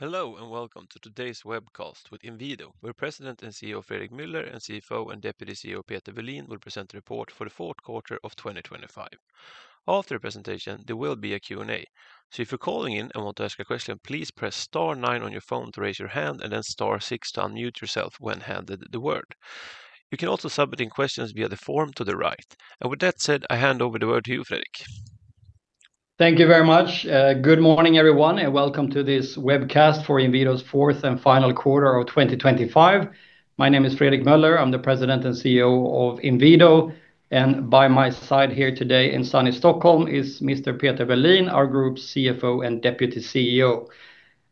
Hello, and welcome to today's webcast with Inwido, where President and CEO, Fredrik Meuller, and CFO and Deputy CEO, Peter Welin, will present the report for the fourth quarter of 2025. After the presentation, there will be a Q&A. So if you're calling in and want to ask a question, please press star nine on your phone to raise your hand, and then star six to unmute yourself when handed the word. You can also submit in questions via the form to the right. And with that said, I hand over the word to you, Fredrik. Thank you very much. Good morning, everyone, and welcome to this webcast for Inwido's fourth and final quarter of 2025. My name is Fredrik Meuller. I'm the President and CEO of Inwido, and by my side here today in sunny Stockholm is Mr. Peter Welin, our Group's CFO and Deputy CEO.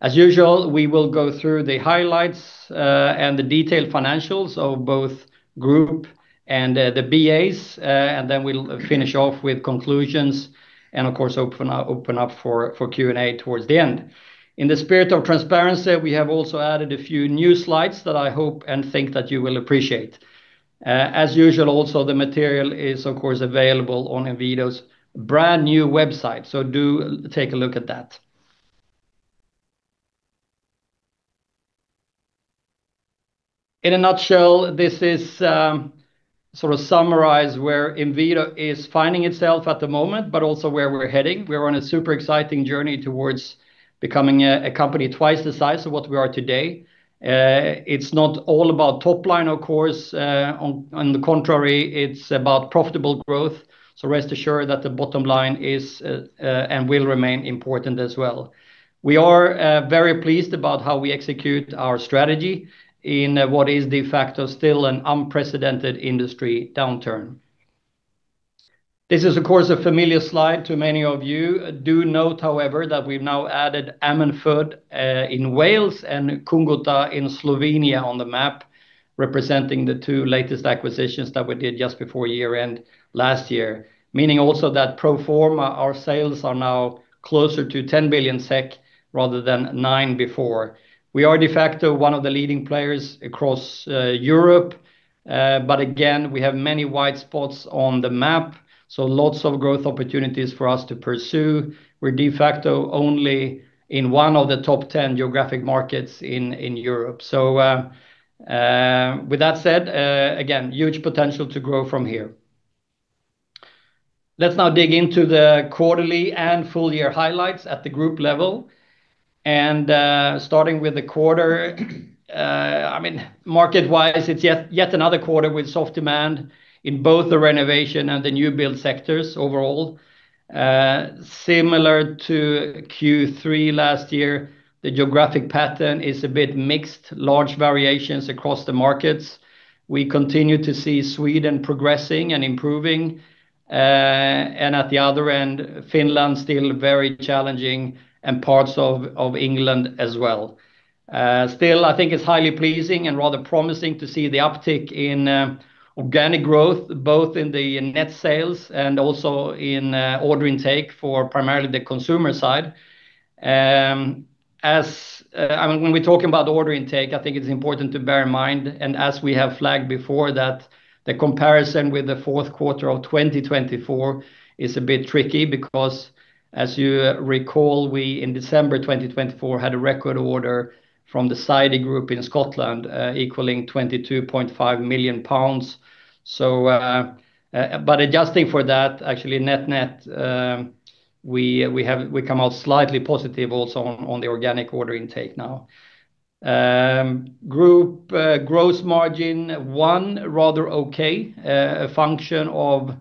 As usual, we will go through the highlights, and the detailed financials of both group and the BAs, and then we'll finish off with conclusions, and of course, open up for Q&A towards the end. In the spirit of transparency, we have also added a few new slides that I hope and think that you will appreciate. As usual, also, the material is, of course, available on Inwido's brand-new website, so do take a look at that. In a nutshell, this is sort of summarize where Inwido is finding itself at the moment, but also where we're heading. We're on a super exciting journey towards becoming a company twice the size of what we are today. It's not all about top line, of course, on the contrary, it's about profitable growth. So rest assured that the bottom line is and will remain important as well. We are very pleased about how we execute our strategy in what is de facto still an unprecedented industry downturn. This is, of course, a familiar slide to many of you. Do note, however, that we've now added Ammanford in Wales and Kungota in Slovenia on the map, representing the two latest acquisitions that we did just before year-end last year, meaning also that pro forma, our sales are now closer to 10 billion SEK, rather than nine billion before. We are de facto one of the leading players across Europe, but again, we have many wide spots on the map, so lots of growth opportunities for us to pursue. We're de facto only in one of the top 10 geographic markets in Europe. So, with that said, again, huge potential to grow from here. Let's now dig into the quarterly and full year highlights at the group level. Starting with the quarter, I mean, market-wise, it's yet another quarter with soft demand in both the renovation and the new build sectors overall. Similar to Q3 last year, the geographic pattern is a bit mixed, large variations across the markets. We continue to see Sweden progressing and improving. And at the other end, Finland, still very challenging and parts of England as well. Still, I think it's highly pleasing and rather promising to see the uptick in organic growth, both in the net sales and also in order intake for primarily the consumer side. As, when we talk about order intake, I think it's important to bear in mind, and as we have flagged before, that the comparison with the fourth quarter of 2024 is a bit tricky because, as you recall, we, in December 2024, had a record order from the Sidey Group in Scotland, equaling 22.5 million pounds. So, but adjusting for that, actually, net-net, we come out slightly positive also on, on the organic order intake now. Group gross margin, one, rather okay, a function of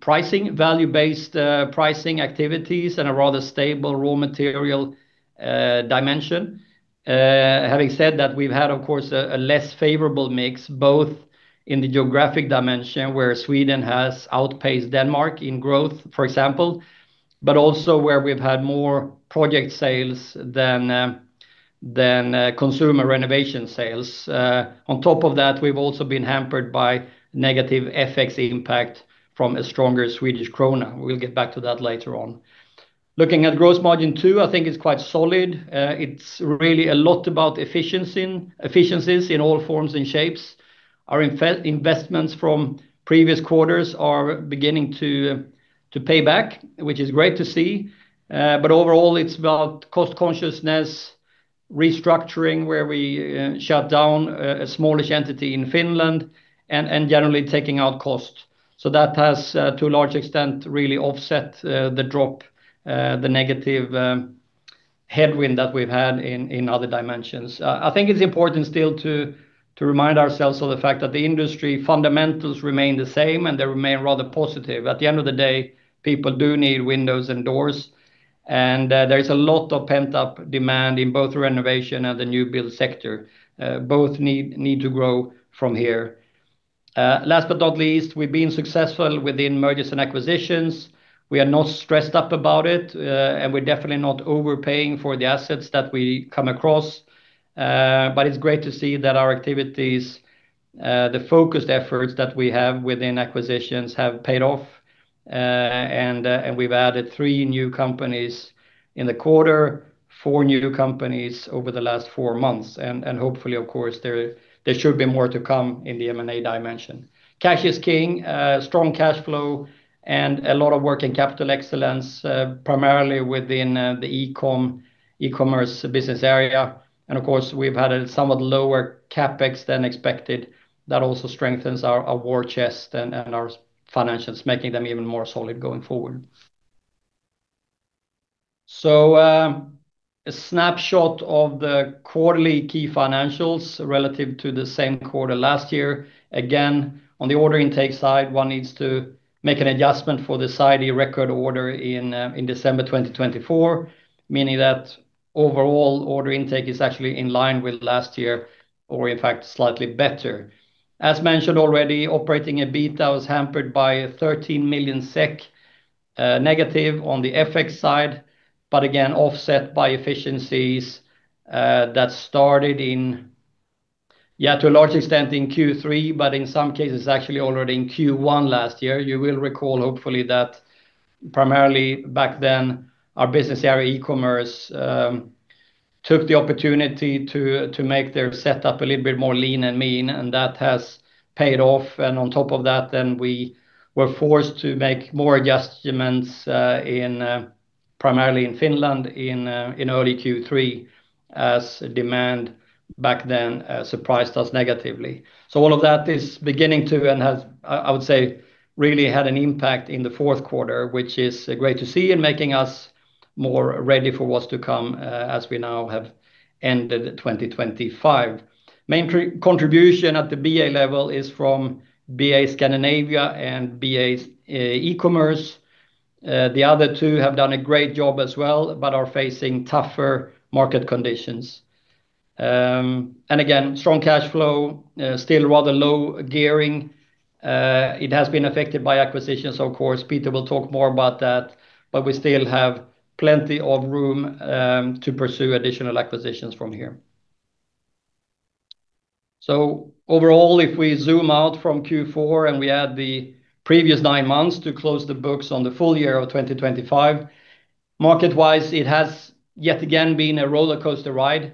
pricing, value-based pricing activities, and a rather stable raw material dimension. Having said that, we've had, of course, a less favorable mix, both in the geographic dimension, where Sweden has outpaced Denmark in growth, for example, but also where we've had more project sales than consumer renovation sales. On top of that, we've also been hampered by negative FX impact from a stronger Swedish krona. We'll get back to that later on. Looking at gross margin too, I think it's quite solid. It's really a lot about efficiency, efficiencies in all forms and shapes. Our investments from previous quarters are beginning to pay back, which is great to see. But overall, it's about cost consciousness, restructuring, where we shut down a smallish entity in Finland, and generally taking out costs. So that has, to a large extent, really offset, the drop, the negative, headwind that we've had in, in other dimensions. I think it's important still to, to remind ourselves of the fact that the industry fundamentals remain the same, and they remain rather positive. At the end of the day, people do need windows and doors, and, there is a lot of pent-up demand in both renovation and the new build sector. Both need to grow from here. Last but not least, we've been successful within mergers and acquisitions. We are not stressed up about it, and we're definitely not overpaying for the assets that we come across. But it's great to see that our activities, the focused efforts that we have within acquisitions have paid off, and we've added three new companies in the quarter, four new companies over the last four months, and hopefully, of course, there should be more to come in the M&A dimension. Cash is king, strong cash flow, and a lot of working capital excellence, primarily within the e-commerce business area. And of course, we've had a somewhat lower CapEx than expected. That also strengthens our war chest and our financials, making them even more solid going forward. So, a snapshot of the quarterly key financials relative to the same quarter last year. Again, on the order intake side, one needs to make an adjustment for the Sidey record order in December 2024, meaning that overall order intake is actually in line with last year, or in fact, slightly better. As mentioned already, operating EBITDA was hampered by 13 million SEK negative on the FX side, but again, offset by efficiencies that started to a large extent in Q3, but in some cases, actually already in Q1 last year. You will recall, hopefully, that primarily back then, our business area, E-commerce, took the opportunity to make their setup a little bit more lean and mean, and that has paid off. On top of that, then we were forced to make more adjustments primarily in Finland in early Q3, as demand back then surprised us negatively. So all of that is beginning to, and has, I would say, really had an impact in the fourth quarter, which is great to see and making us more ready for what's to come, as we now have ended 2025. Main contribution at the BA level is from BA Scandinavia and BA E-commerce. The other two have done a great job as well, but are facing tougher market conditions. And again, strong cash flow, still rather low gearing. It has been affected by acquisitions, of course. Peter will talk more about that, but we still have plenty of room to pursue additional acquisitions from here. So overall, if we zoom out from Q4 and we add the previous nine months to close the books on the full year of 2025, market-wise, it has yet again been a rollercoaster ride.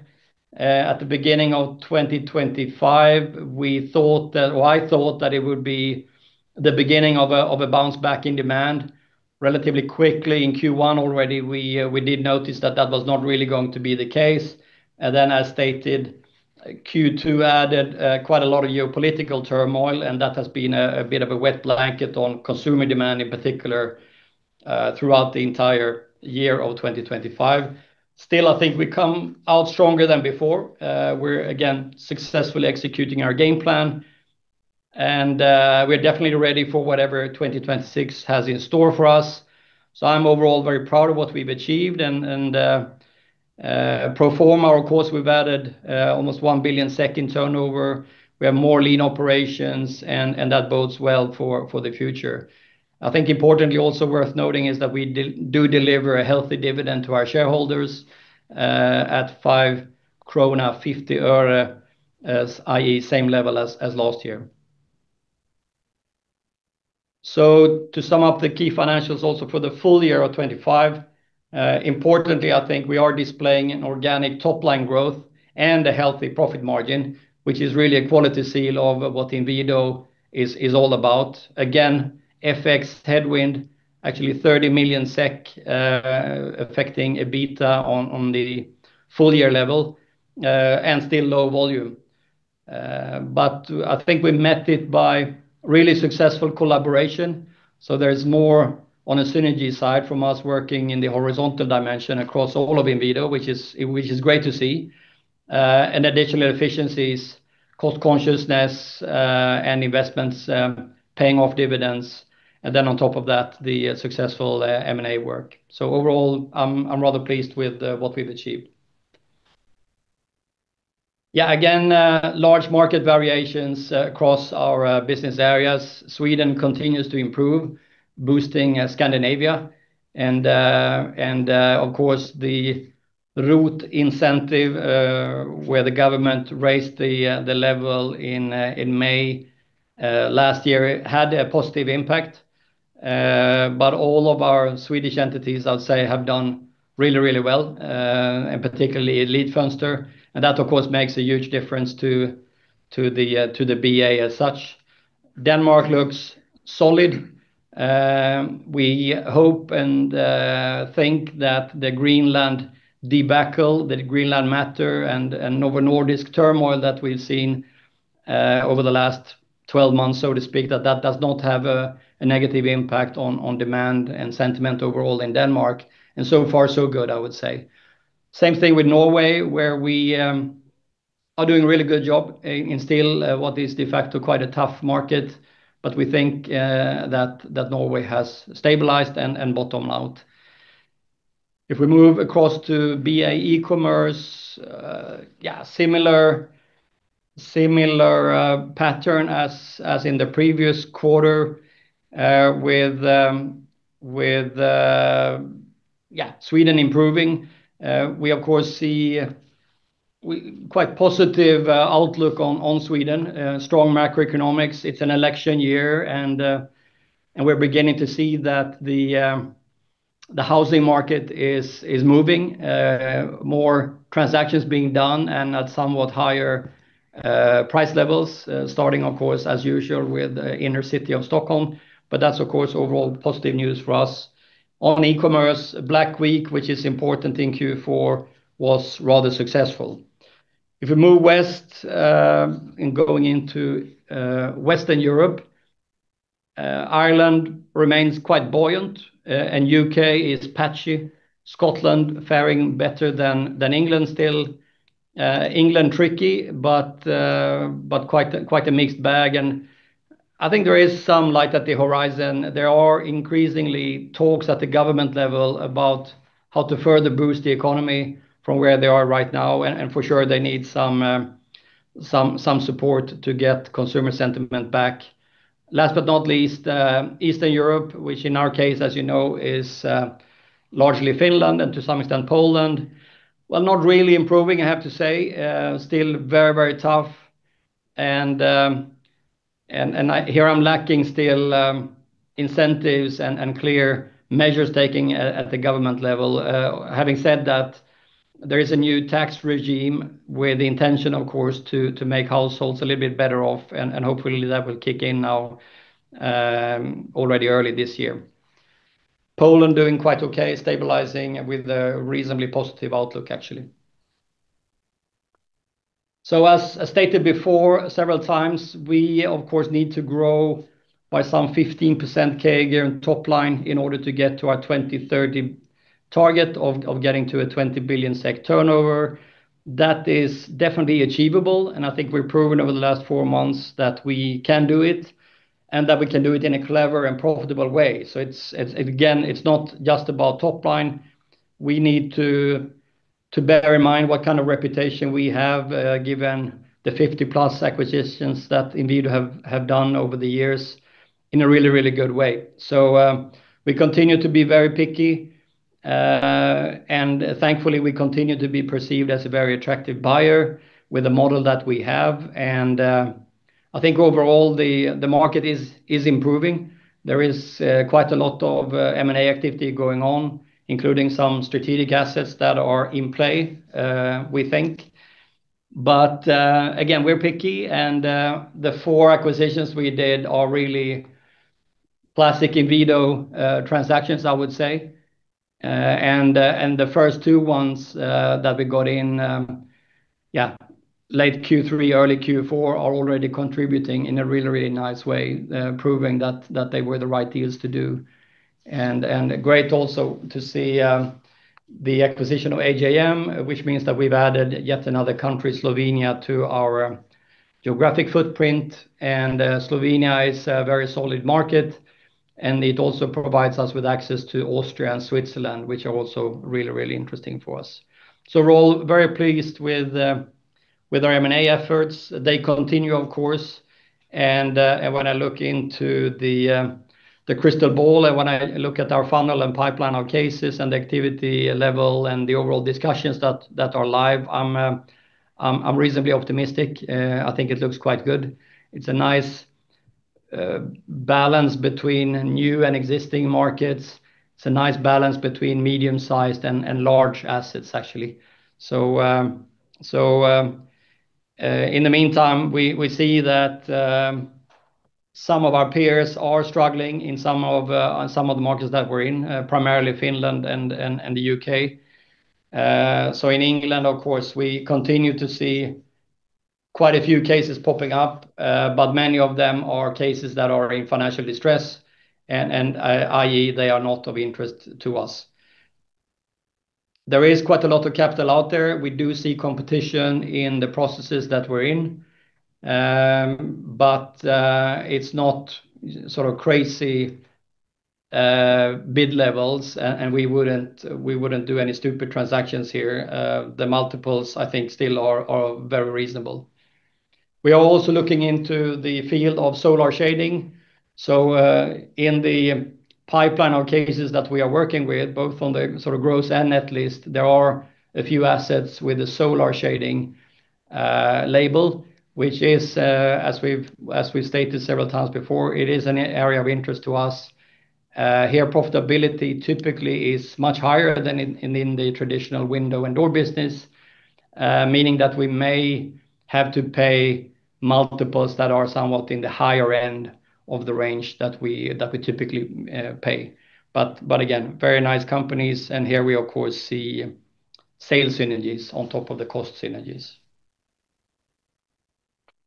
At the beginning of 2025, we thought that, or I thought that it would be the beginning of a, of a bounce back in demand. Relatively quickly in Q1 already, we did notice that that was not really going to be the case. And then, as stated, Q2 added quite a lot of geopolitical turmoil, and that has been a bit of a wet blanket on consumer demand, in particular, throughout the entire year of 2025. Still, I think we come out stronger than before. We're again successfully executing our game plan, and we're definitely ready for whatever 2026 has in store for us. So I'm overall very proud of what we've achieved, and pro forma, of course, we've added almost 1 billion in turnover. We have more lean operations, and that bodes well for the future. I think importantly, also worth noting, is that we do deliver a healthy dividend to our shareholders at 5.50 SEK, i.e., same level as last year. So to sum up the key financials also for the full year of 2025, importantly, I think we are displaying an organic top-line growth and a healthy profit margin, which is really a quality seal of what Inwido is all about. Again, FX headwind, actually 30 million SEK, affecting EBITDA on the full year level, and still low volume. But I think we met it by really successful collaboration, so there's more on a synergy side from us working in the horizontal dimension across all of Inwido, which is great to see. And additional efficiencies, cost consciousness, and investments paying off dividends, and then on top of that, the successful M&A work. So overall, I'm rather pleased with what we've achieved. Yeah, again, large market variations across our business areas. Sweden continues to improve, boosting Scandinavia, and of course, the ROT incentive, where the government raised the level in May last year, had a positive impact. But all of our Swedish entities, I would say, have done really, really well, and particularly Elitfönster. And that, of course, makes a huge difference to, to the, to the BA as such. Denmark looks solid. We hope and think that the Greenland debacle, the Greenland matter, and Novo Nordisk turmoil that we've seen over the last 12 months, so to speak, that does not have a negative impact on demand and sentiment overall in Denmark, and so far, so good, I would say. Same thing with Norway, where we are doing a really good job in still what is de facto quite a tough market, but we think that Norway has stabilized and bottomed out. If we move across to BA E-commerce, yeah, similar pattern as in the previous quarter, with Sweden improving. We of course see quite positive outlook on Sweden, strong macroeconomics. It's an election year, and we're beginning to see that the housing market is moving, more transactions being done and at somewhat higher price levels, starting, of course, as usual, with the inner city of Stockholm, but that's, of course, overall positive news for us. On e-commerce, Black Week, which is important in Q4, was rather successful. If we move west, in going into Western Europe, Ireland remains quite buoyant, and U.K. is patchy. Scotland faring better than England still. England tricky, but quite a mixed bag, and I think there is some light at the horizon. There are increasingly talks at the government level about how to further boost the economy from where they are right now, and for sure, they need some support to get consumer sentiment back. Last but not least, Eastern Europe, which in our case, as you know, is largely Finland and to some extent Poland, well, not really improving, I have to say. Still very, very tough, and here I'm lacking still incentives and clear measures taking at the government level. Having said that, there is a new tax regime with the intention, of course, to make households a little bit better off, and hopefully that will kick in now already early this year. Poland doing quite okay, stabilizing with a reasonably positive outlook, actually. So as I stated before, several times, we, of course, need to grow by some 15% CAGR in top line in order to get to our 2030 target of getting to a 20 billion SEK turnover. That is definitely achievable, and I think we've proven over the last four months that we can do it, and that we can do it in a clever and profitable way. So it's again, it's not just about top line. We need to bear in mind what kind of reputation we have, given the 50+ acquisitions that we have done over the years in a really, really good way. So we continue to be very picky, and thankfully, we continue to be perceived as a very attractive buyer with the model that we have, and I think overall, the market is improving. There is quite a lot of M&A activity going on, including some strategic assets that are in play, we think. But again, we're picky, and the four acquisitions we did are really classic Inwido transactions, I would say. And the first two ones that we got in late Q3, early Q4, are already contributing in a really, really nice way, proving that they were the right deals to do. And great also to see the acquisition of AJM, which means that we've added yet another country, Slovenia, to our geographic footprint, and Slovenia is a very solid market, and it also provides us with access to Austria and Switzerland, which are also really, really interesting for us. So we're all very pleased with our M&A efforts. They continue, of course, and when I look into the crystal ball, and when I look at our funnel and pipeline, our cases and activity level, and the overall discussions that are live, I'm reasonably optimistic. I think it looks quite good. It's a nice balance between new and existing markets. It's a nice balance between medium-sized and large assets, actually. So, in the meantime, we see that some of our peers are struggling in some of the markets that we're in, primarily Finland and the U.K. So in England, of course, we continue to see quite a few cases popping up, but many of them are cases that are in financial distress, and i.e., they are not of interest to us. There is quite a lot of capital out there. We do see competition in the processes that we're in, but it's not sort of crazy bid levels, and we wouldn't do any stupid transactions here. The multiples, I think, still are very reasonable. We are also looking into the field of solar shading, so in the pipeline of cases that we are working with, both on the sort of gross and net list, there are a few assets with a solar shading label, which is, as we've stated several times before, it is an area of interest to us. Here profitability typically is much higher than in the traditional window and door business, meaning that we may have to pay multiples that are somewhat in the higher end of the range that we typically pay. But again, very nice companies, and here we, of course, see sales synergies on top of the cost synergies.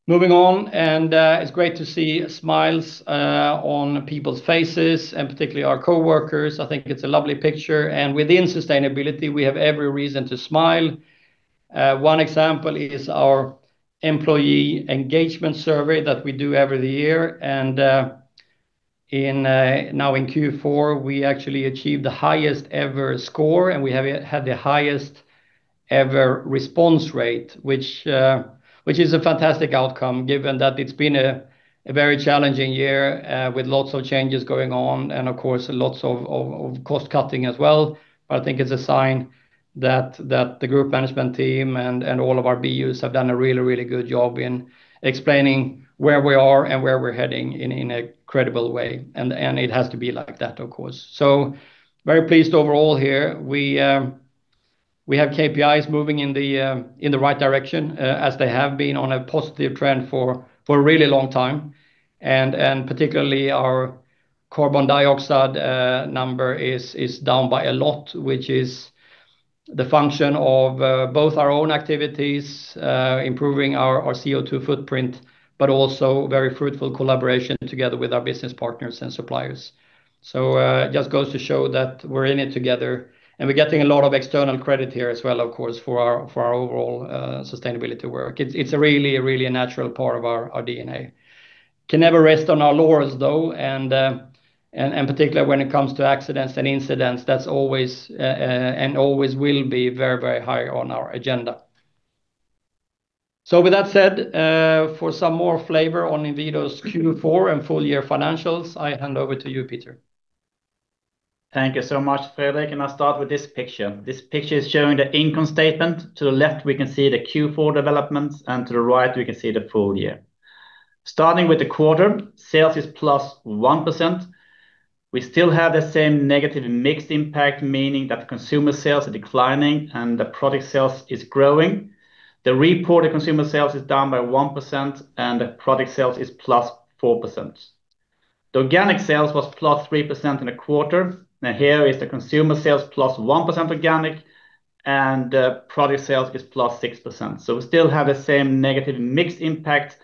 Moving on, and it's great to see smiles on people's faces, and particularly our coworkers. I think it's a lovely picture, and within sustainability, we have every reason to smile. One example is our employee engagement survey that we do every year, and now in Q4, we actually achieved the highest-ever score, and we have had the highest-ever response rate, which is a fantastic outcome, given that it's been a very challenging year with lots of changes going on, and of course, lots of cost cutting as well. But I think it's a sign that the group management team and all of our BUs have done a really, really good job in explaining where we are and where we're heading in a credible way, and it has to be like that, of course. So very pleased overall here. We have KPIs moving in the right direction, as they have been on a positive trend for a really long time. And particularly, our carbon dioxide number is down by a lot, which is the function of both our own activities improving our CO2 footprint, but also very fruitful collaboration together with our business partners and suppliers. So it just goes to show that we're in it together, and we're getting a lot of external credit here as well, of course, for our overall sustainability work. It's a really natural part of our DNA. Can never rest on our laurels, though, and particularly when it comes to accidents and incidents, that's always and always will be very high on our agenda. So with that said, for some more flavor on Inwido's Q4 and full year financials, I hand over to you, Peter. Thank you so much, Fredrik. I'll start with this picture. This picture is showing the income statement. To the left, we can see the Q4 developments, and to the right, we can see the full year. Starting with the quarter, sales is +1%. We still have the same negative mixed impact, meaning that consumer sales are declining and the product sales is growing. The reported consumer sales is down by 1%, and the product sales is +4%. The organic sales was +3% in a quarter, and here is the consumer sales +1% organic, and the product sales is +6%. So we still have the same negative mix impact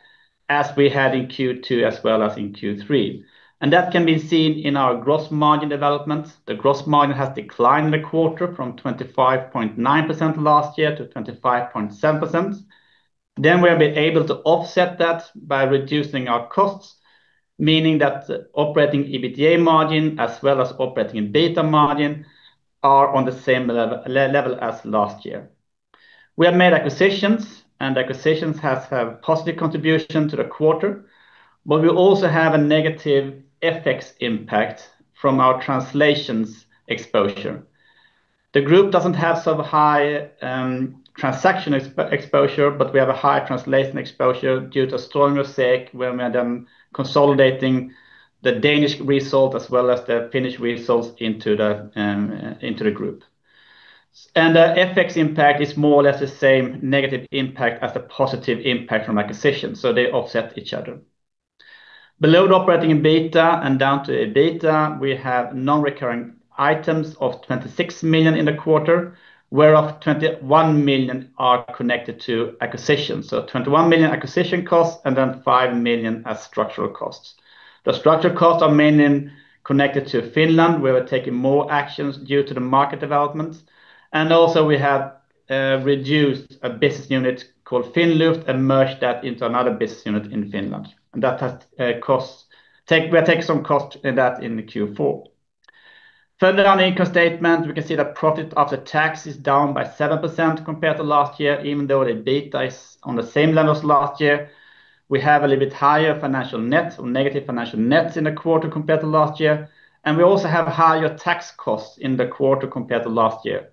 as we had in Q2 as well as in Q3, and that can be seen in our gross margin development. The gross margin has declined in the quarter from 25.9% last year to 25.7%. Then we have been able to offset that by reducing our costs, meaning that operating EBITDA margin, as well as operating EBITDA margin, are on the same level as last year. We have made acquisitions, and acquisitions has had a positive contribution to the quarter, but we also have a negative FX impact from our translation exposure. The group doesn't have so high transaction exposure, but we have a high translation exposure due to stronger SEK, where we are then consolidating the Danish result as well as the Finnish results into the group. The FX impact is more or less the same negative impact as the positive impact from acquisition, so they offset each other. Below the operating EBITDA and down to EBITDA, we have non-recurring items of 26 million in the quarter, whereof 21 million are connected to acquisitions. So 21 million acquisition costs, and then 5 million as structural costs. The structural costs are mainly connected to Finland, where we're taking more actions due to the market developments. And also we have reduced a business unit called Lämpölux or uncertain and merged that into another business unit in Finland, and that has costs. We take some cost in that in the Q4. Further on the income statement, we can see the profit after tax is down by 7% compared to last year, even though the EBITDA is on the same level as last year. We have a little bit higher financial net or negative financial nets in the quarter compared to last year, and we also have higher tax costs in the quarter compared to last year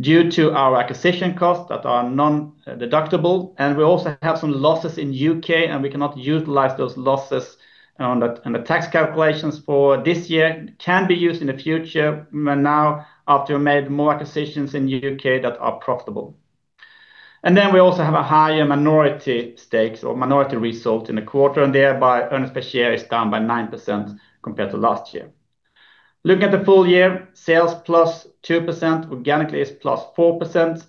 due to our acquisition costs that are non-deductible, and we also have some losses in U.K., and we cannot utilize those losses on the tax calculations for this year, can be used in the future, but now, after we made more acquisitions in U.K. that are profitable. And then we also have a higher minority stakes or minority result in the quarter, and thereby, earnings per share is down by 9% compared to last year. Looking at the full year, sales +2%, organically +4%.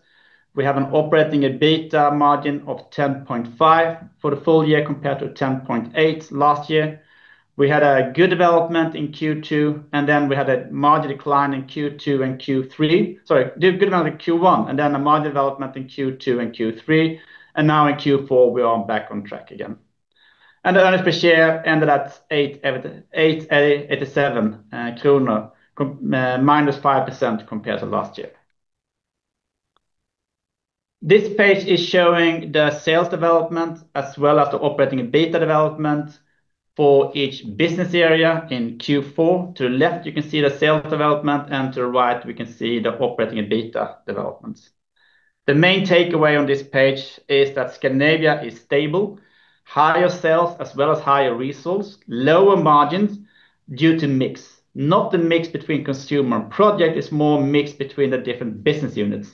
We have an operating EBITDA margin of 10.5% for the full year, compared to 10.8% last year. We had a good development in Q2, and then we had a margin decline in Q2 and Q3. Sorry, good amount in Q1, and then a margin development in Q2 and Q3, and now in Q4, we are back on track again. The earnings per share ended at 8.87 kronor, -5% compared to last year. This page is showing the sales development as well as the operating EBITDA development for each business area in Q4. To the left, you can see the sales development, and to the right, we can see the operating EBITDA developments. The main takeaway on this page is that Scandinavia is stable, higher sales as well as higher resource, lower margins due to mix, not the mix between consumer and project, it's more mix between the different business units.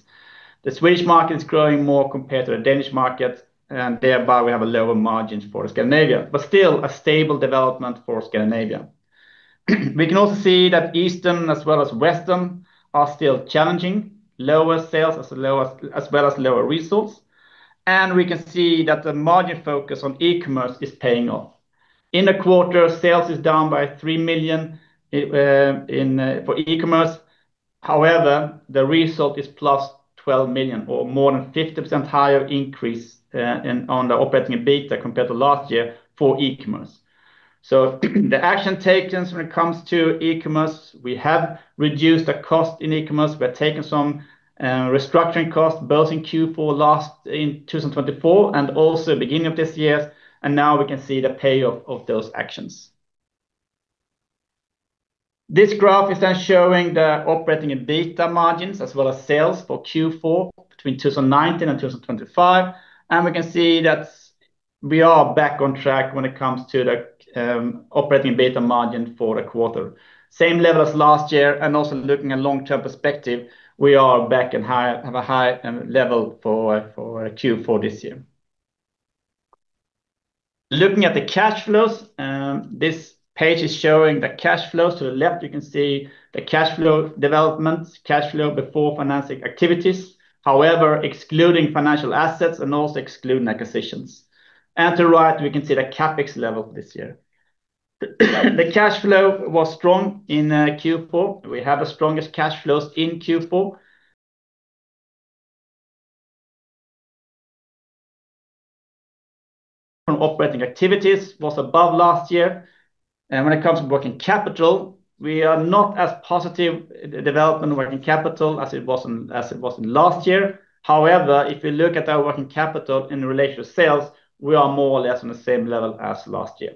The Swedish market is growing more compared to the Danish market, and thereby we have a lower margin for Scandinavia, but still a stable development for Scandinavia. We can also see that Eastern as well as Western are still challenging. Lower sales as well as lower resource, and we can see that the margin focus on e-commerce is paying off. In the quarter, sales is down by 3 million in e-commerce. However, the result is +12 million, or more than 50% higher increase in the operating EBITDA compared to last year for e-commerce. So the action taken when it comes to e-commerce, we have reduced the cost in e-commerce. We're taking some restructuring costs, both in Q4 last in 2024, and also beginning of this year, and now we can see the payoff of those actions. This graph is then showing the operating EBITDA margins as well as sales for Q4 between 2019 and 2025, and we can see that we are back on track when it comes to the operating EBITDA margin for the quarter. Same level as last year, and also looking at long-term perspective, we are back in high, have a high level for Q4 this year. Looking at the cash flows, this page is showing the cash flows. To the left, you can see the cash flow development, cash flow before financing activities. However, excluding financial assets and also excluding acquisitions. And to the right, we can see the CapEx level this year. The cash flow was strong in Q4. We have the strongest cash flows in Q4. From operating activities was above last year. When it comes to working capital, we are not as positive development working capital as it was in, as it was in last year. However, if you look at our working capital in relation to sales, we are more or less on the same level as last year.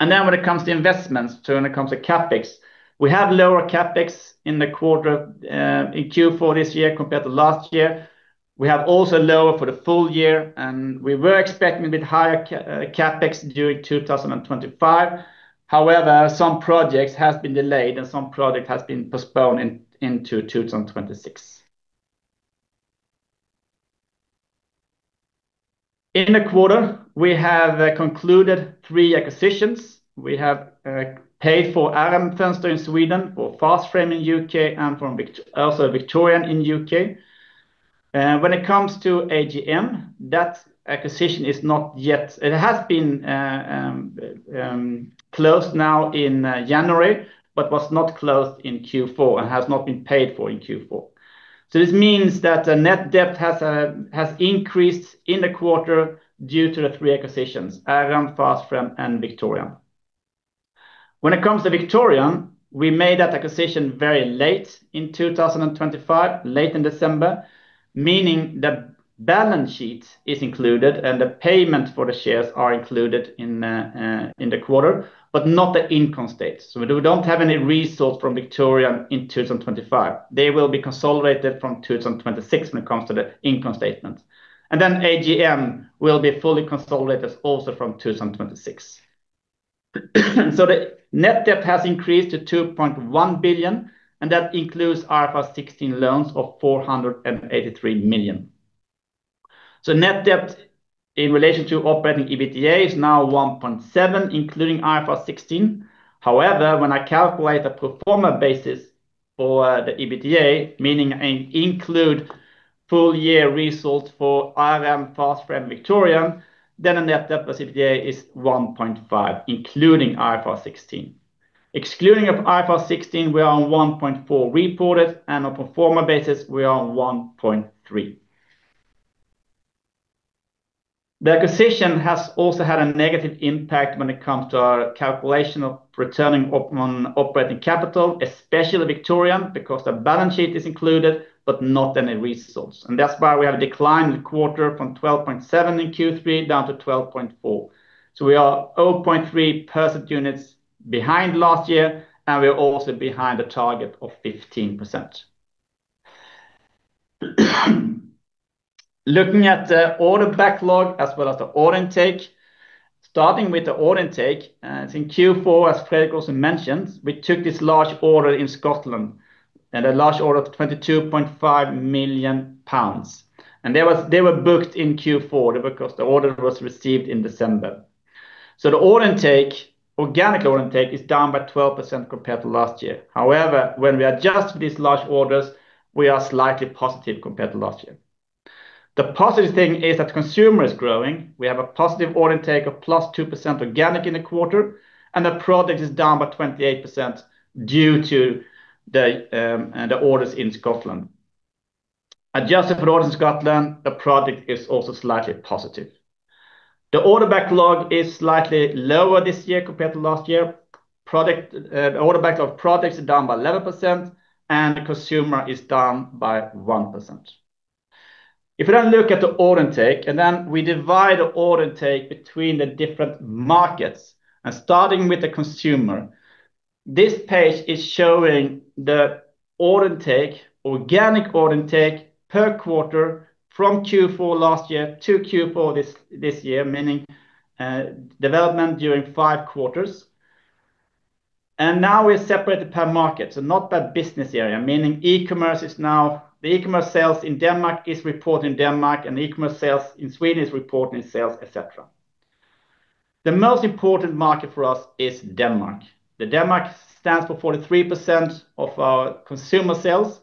Then when it comes to investments, when it comes to CapEx, we have lower CapEx in the quarter in Q4 this year compared to last year. We have also lower for the full year, and we were expecting a bit higher CapEx during 2025. However, some projects has been delayed and some project has been postponed into 2026. In the quarter, we have concluded three acquisitions. We have paid for RM Fönster in Sweden, for Fast Frame in U.K., and for Victorian also in U.K. When it comes to AJM, that acquisition is not yet, it has been closed now in January, but was not closed in Q4 and has not been paid for in Q4. So this means that the net debt has increased in the quarter due to the three acquisitions, RM, Fast Frame, and Victorian. When it comes to Victorian, we made that acquisition very late in 2025, late in December, meaning the balance sheet is included, and the payment for the shares are included in the quarter, but not the income statement. So we don't have any resource from Victorian in 2025. They will be consolidated from 2026 when it comes to the income statement. And then AJM will be fully consolidated also from 2026. So the net debt has increased to 2.1 billion, and that includes IFRS 16 loans of 483 million. So net debt in relation to operating EBITDA is now 1.7, including IFRS 16. However, when I calculate the pro forma basis for the EBITDA, meaning I include full year results for RM, Fast Frame, Victorian, then the net debt plus EBITDA is 1.5, including IFRS 16. Excluding IFRS 16, we are on 1.4 reported, and on pro forma basis, we are on 1.3. The acquisition has also had a negative impact when it comes to our calculation of return on operating capital, especially Victorian, because the balance sheet is included, but not any resource. And that's why we have declined the quarter from 12.7 in Q3 down to 12.4. So we are 0.3% units behind last year, and we are also behind the target of 15%. Looking at the order backlog as well as the order intake, starting with the order intake, in Q4, as Fredrik also mentioned, we took this large order in Scotland, and a large order of 22.5 million pounds. And they was, they were booked in Q4 because the order was received in December. So the order intake, organic order intake, is down by 12% compared to last year. However, when we adjust these large orders, we are slightly positive compared to last year. The positive thing is that consumer is growing. We have a positive order intake of +2% organic in the quarter, and the project is down by 28% due to the orders in Scotland. Adjusted for orders in Scotland, the project is also slightly positive. The order backlog is slightly lower this year compared to last year. Product, order backlog products are down by 11%, and the consumer is down by 1%. If you then look at the order intake, and then we divide the order intake between the different markets, and starting with the consumer, this page is showing the order intake, organic order intake per quarter from Q4 last year to Q4 this, this year, meaning, development during five quarters. And now we're separated per market, so not by business area, meaning e-commerce is now, the e-commerce sales in Denmark is reported in Denmark, and the e-commerce sales in Sweden is reported in sales, etc. The most important market for us is Denmark. Denmark stands for 43% of our consumer sales.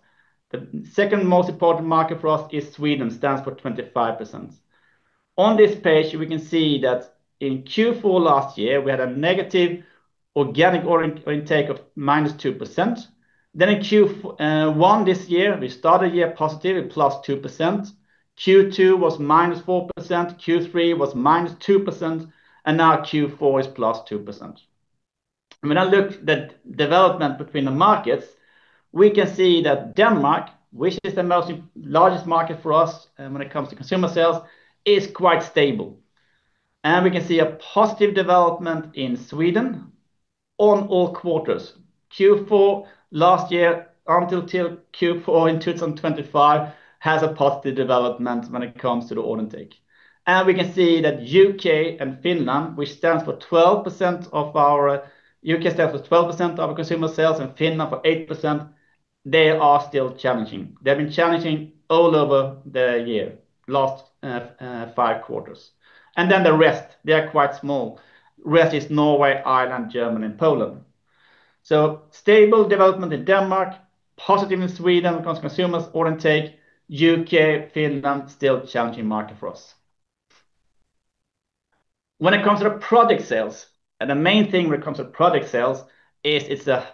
The second most important market for us is Sweden, stands for 25%. On this page, we can see that in Q4 last year, we had a negative organic order intake of -2%. Then in Q1 this year, we started the year positive at +2%. Q2 was -4%, Q3 was -2%, and now Q4 is +2%. When I look at the development between the markets, we can see that Denmark, which is the most largest market for us, when it comes to consumer sales, is quite stable. We can see a positive development in Sweden. On all quarters, Q4 last year until Q4 in 2025, has a positive development when it comes to the order intake. And we can see that U.K. and Finland, which stands for 12% of our- U.K. stands for 12% of our consumer sales, and Finland for 8%, they are still challenging. They've been challenging all over the year, last, five quarters. And then the rest, they are quite small. Rest is Norway, Ireland, Germany, and Poland. So stable development in Denmark, positive in Sweden when it comes to consumers order intake, U.K., Finland, still challenging market for us. When it comes to the product sales, and the main thing when it comes to product sales, is it's a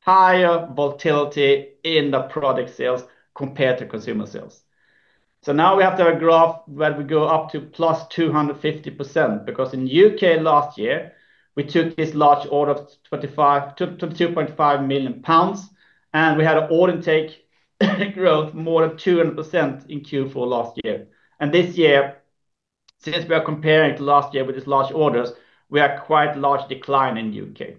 higher volatility in the product sales compared to consumer sales. So now we have to have a graph where we go up to +250%, because in U.K. last year, we took this large order of 25 million-22.5 million pounds, and we had an order intake growth more than 200% in Q4 last year. This year, since we are comparing to last year with these large orders, we have quite large decline in U.K.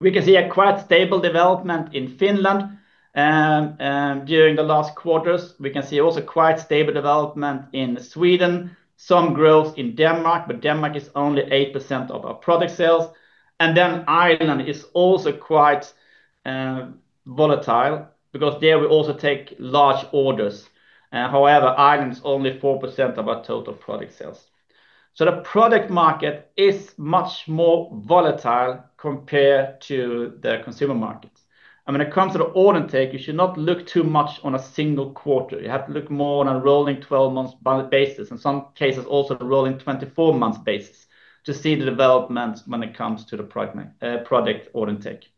We can see a quite stable development in Finland during the last quarters. We can see also quite stable development in Sweden, some growth in Denmark, but Denmark is only 8% of our product sales. Then Ireland is also quite volatile, because there we also take large orders. However, Ireland is only 4% of our total product sales. The product market is much more volatile compared to the consumer markets. When it comes to the order intake, you should not look too much on a single quarter. You have to look more on a rolling 12 months basis, in some cases, also the rolling 24 months basis, to see the development when it comes to the product order intake.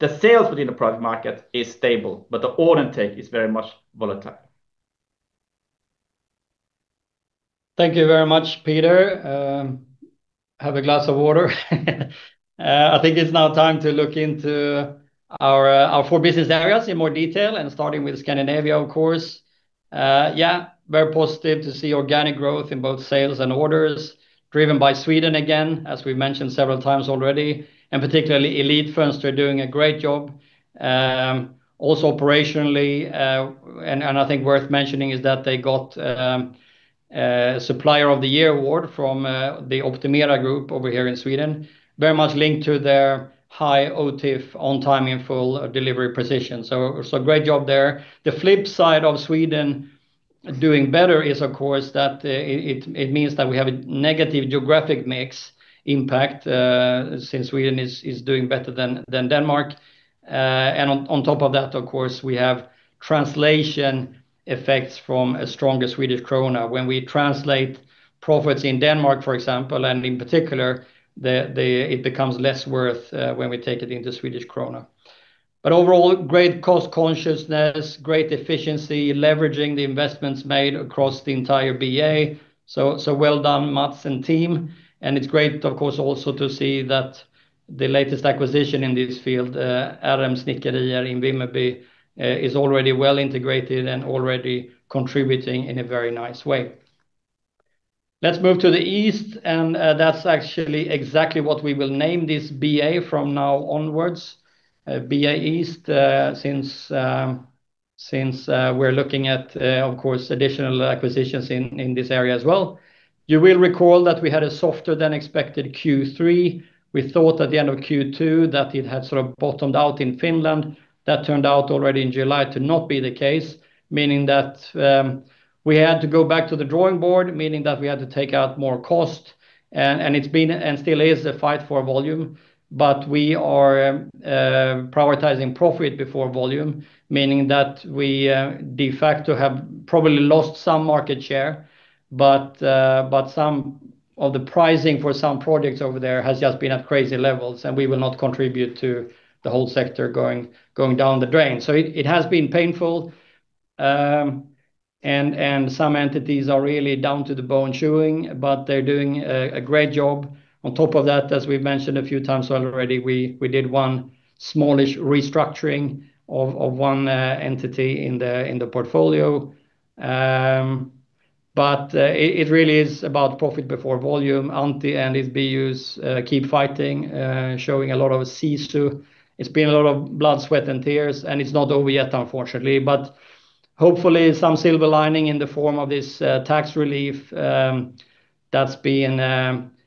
The sales within the product market is stable, but the order intake is very much volatile. Thank you very much, Peter. Have a glass of water. I think it's now time to look into our four business areas in more detail, and starting with Scandinavia, of course. Yeah, very positive to see organic growth in both sales and orders, driven by Sweden again, as we've mentioned several times already, and particularly Elitfönster, they're doing a great job. Also operationally, I think worth mentioning, is that they got a Supplier of the Year award from the Optimera Group over here in Sweden, very much linked to their high OTIF, On Time In Full delivery precision. So, great job there. The flip side of Sweden doing better is, of course, that it means that we have a negative geographic mix impact, since Sweden is doing better than Denmark. And on top of that, of course, we have translation effects from a stronger Swedish krona. When we translate profits in Denmark, for example, and in particular, it becomes less worth when we take it into Swedish krona. But overall, great cost consciousness, great efficiency, leveraging the investments made across the entire BA. So, well done, Mads and team. It's great, of course, also to see that the latest acquisition in this field, RM Snickerier in Vimmerby, is already well integrated and already contributing in a very nice way. Let's move to the east, and that's actually exactly what we will name this BA from now onwards, BA East, since we're looking at, of course, additional acquisitions in this area as well. You will recall that we had a softer than expected Q3. We thought at the end of Q2 that it had sort of bottomed out in Finland. That turned out already in July to not be the case, meaning that we had to go back to the drawing board, meaning that we had to take out more cost, and it's been, and still is, a fight for volume. But we are prioritizing profit before volume, meaning that we de facto have probably lost some market share, but some of the pricing for some products over there has just been at crazy levels, and we will not contribute to the whole sector going down the drain. So it has been painful, and some entities are really down to the bone chewing, but they're doing a great job. On top of that, as we've mentioned a few times already, we did one smallish restructuring of one entity in the portfolio. But it really is about profit before volume. Antti and his BUs keep fighting, showing a lot of cease to. It's been a lot of blood, sweat, and tears, and it's not over yet, unfortunately, but hopefully some silver lining in the form of this tax relief that's being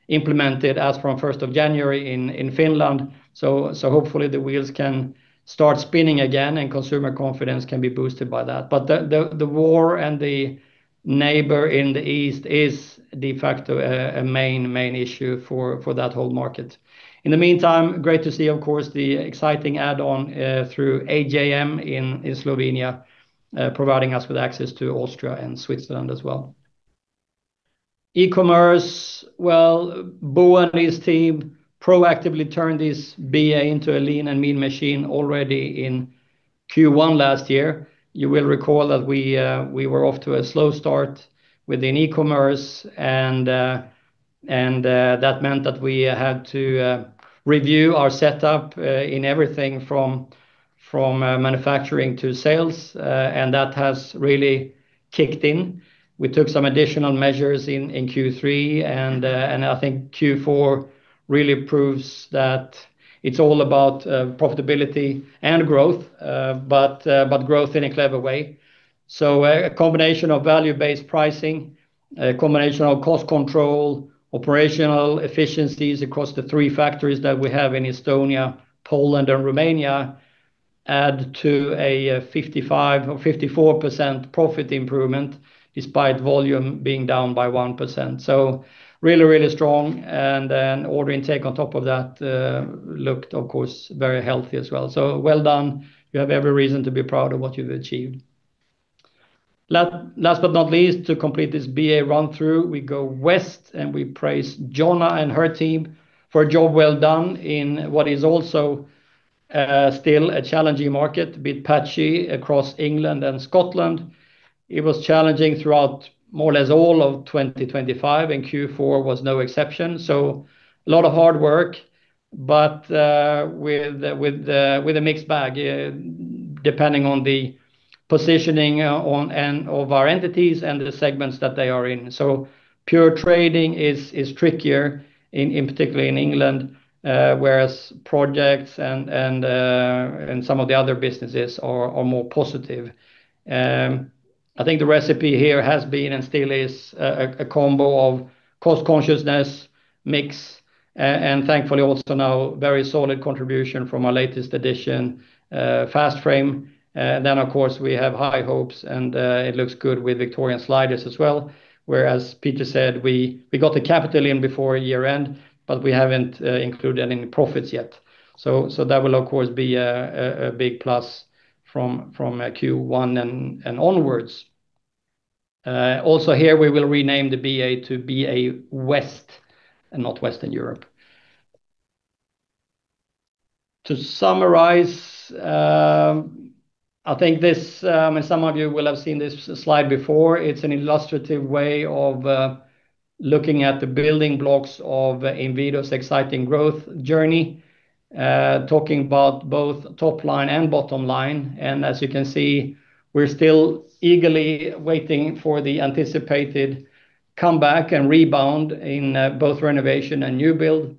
implemented as from first of January in Finland. So hopefully the wheels can start spinning again and consumer confidence can be boosted by that. But the war and the neighbor in the east is de facto a main issue for that whole market. In the meantime, great to see, of course, the exciting add-on through AJM in Slovenia providing us with access to Austria and Switzerland as well. E-commerce, well, Bo and his team proactively turned this BA into a lean and mean machine already in Q1 last year. You will recall that we were off to a slow start within e-commerce, and that meant that we had to review our setup in everything from manufacturing to sales, and that has really kicked in. We took some additional measures in Q3, and I think Q4 really proves that it's all about profitability and growth, but growth in a clever way. So a combination of value-based pricing, a combination of cost control, operational efficiencies across the three factories that we have in Estonia, Poland, and Romania, add to a 55% or 54% profit improvement, despite volume being down by 1%. So really, really strong, and then order intake on top of that looked, of course, very healthy as well. So well done. You have every reason to be proud of what you've achieved. Last but not least, to complete this BA run through, we go west, and we praise Jonna and her team for a job well done in what is also still a challenging market, a bit patchy across England and Scotland. It was challenging throughout more or less all of 2025, and Q4 was no exception. So a lot of hard work, but with a mixed bag depending on the positioning on and off our entities and the segments that they are in. So pure trading is trickier, particularly in England, whereas projects and some of the other businesses are more positive. I think the recipe here has been, and still is, a combo of cost consciousness, mix, and thankfully also now very solid contribution from our latest addition, Fast Frame. Then, of course, we have high hopes, and it looks good with Victorian Sliders as well. Whereas Peter said, we got the capital in before year-end, but we haven't included any profits yet. So that will, of course, be a big plus from Q1 and onwards. Also here, we will rename the BA to BA West and not Western Europe. To summarize, I think this, and some of you will have seen this slide before, it's an illustrative way of looking at the building blocks of Inwido's exciting growth journey, talking about both top line and bottom line. As you can see, we're still eagerly waiting for the anticipated comeback and rebound in both renovation and new build.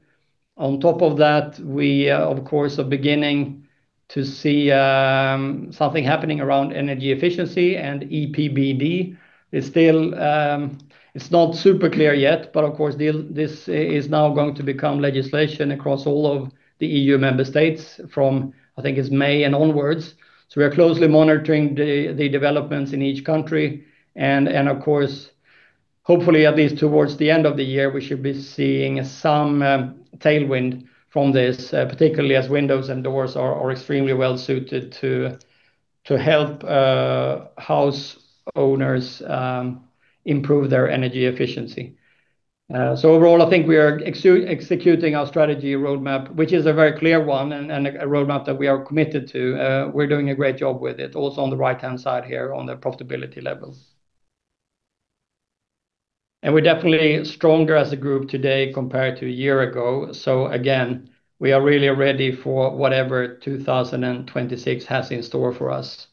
On top of that, we of course are beginning to see something happening around energy efficiency and EPBD. It's still, it's not super clear yet, but of course this is now going to become legislation across all of the EU member states from, I think it's May and onwards. So we are closely monitoring the developments in each country, and of course, hopefully, at least towards the end of the year, we should be seeing some tailwind from this, particularly as windows and doors are extremely well suited to help house owners improve their energy efficiency. So overall, I think we are executing our strategy roadmap, which is a very clear one, and a roadmap that we are committed to. We're doing a great job with it, also on the right-hand side here on the profitability levels. And we're definitely stronger as a group today compared to a year ago. So again, we are really ready for whatever 2026 has in store for us.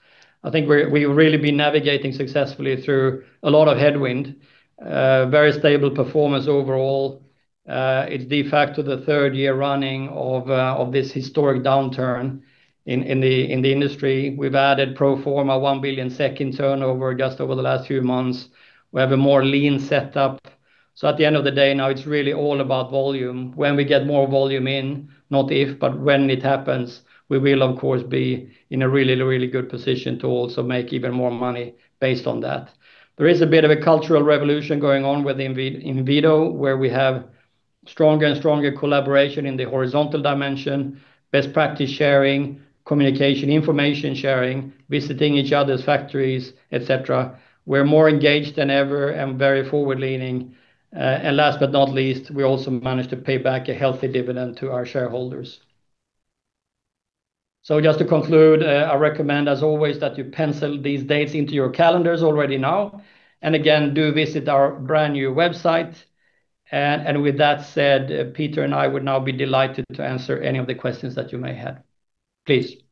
I think we've really been navigating successfully through a lot of headwind, very stable performance overall. It's de facto the third year running of this historic downturn in the industry. We've added pro forma 1 billion turnover just over the last few months. We have a more lean setup. So at the end of the day, now it's really all about volume. When we get more volume in, not if, but when it happens, we will, of course, be in a really, really good position to also make even more money based on that. There is a bit of a cultural revolution going on with Inwido, where we have stronger and stronger collaboration in the horizontal dimension, best practice sharing, communication, information sharing, visiting each other's factories, et cetera. We're more engaged than ever and very forward-leaning. And last but not least, we also managed to pay back a healthy dividend to our shareholders. So just to conclude, I recommend, as always, that you pencil these dates into your calendars already now, and again, do visit our brand-new website. And with that said, Peter and I would now be delighted to answer any of the questions that you may have. Please.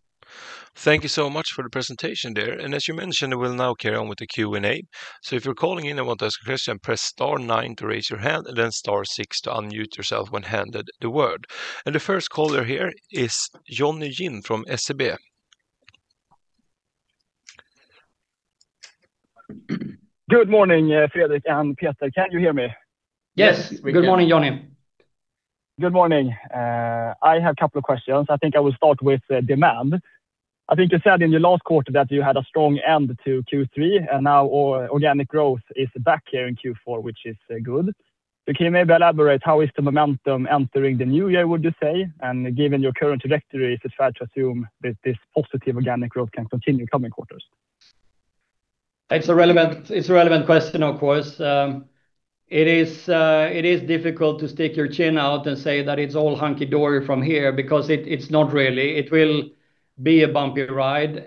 Thank you so much for the presentation there. As you mentioned, we'll now carry on with the Q&A. If you're calling in and want to ask a question, press star nine to raise your hand and then star six to unmute yourself when handed the word. The first caller here is Jonny Jin from SEB. Good morning, Fredrik and Peter. Can you hear me? Yes. Good morning, Jonny. Good morning. I have a couple of questions. I think I will start with, demand. I think you said in your last quarter that you had a strong end to Q3, and now, or organic growth is back here in Q4, which is, good. So can you maybe elaborate, how is the momentum entering the new year, would you say? And given your current trajectory, is it fair to assume that this positive organic growth can continue in coming quarters? It's a relevant question, of course. It is difficult to stick your chin out and say that it's all hunky-dory from here, because it's not really. It will be a bumpy ride.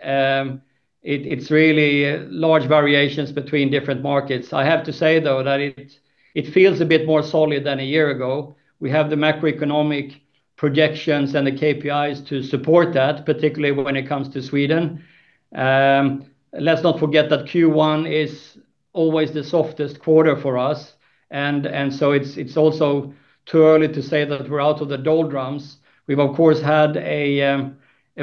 It's really large variations between different markets. I have to say, though, that it feels a bit more solid than a year ago. We have the macroeconomic projections and the KPIs to support that, particularly when it comes to Sweden. Let's not forget that Q1 is always the softest quarter for us, and so it's also too early to say that we're out of the doldrums. We've, of course, had a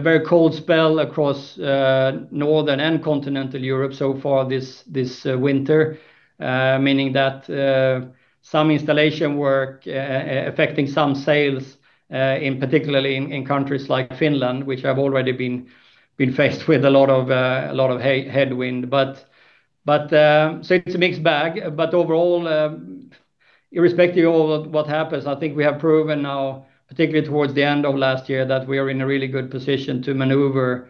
very cold spell across northern and continental Europe so far this winter, meaning that some installation work affecting some sales particularly in countries like Finland, which have already been faced with a lot of headwind. But so it's a mixed bag, but overall, irrespective of what happens, I think we have proven now, particularly towards the end of last year, that we are in a really good position to maneuver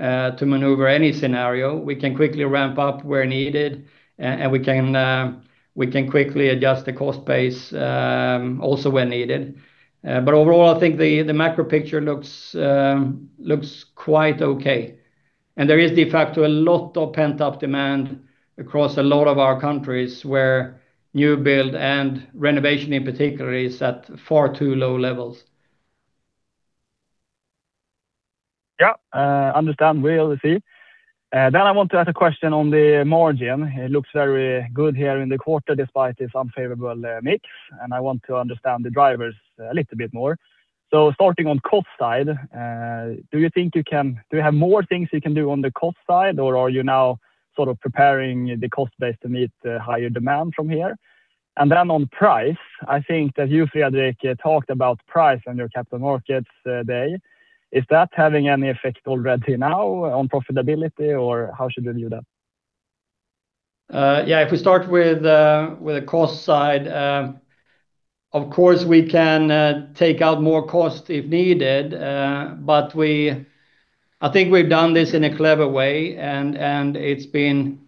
any scenario. We can quickly ramp up where needed, and we can quickly adjust the cost base, also when needed. But overall, I think the macro picture looks quite okay. There is de facto a lot of pent-up demand across a lot of our countries, where new build and renovation, in particular, is at far too low levels. Yeah, understand well, we see. Then I want to ask a question on the margin. It looks very good here in the quarter, despite this unfavorable mix, and I want to understand the drivers a little bit more. So starting on cost side, do you have more things you can do on the cost side, or are you now sort of preparing the cost base to meet the higher demand from here? And then on price, I think that you, Fredrik, talked about price on your Capital Markets Day. Is that having any effect already now on profitability, or how should we view that? Yeah, if we start with the cost side, of course, we can take out more cost if needed. But we, I think we've done this in a clever way, and it's been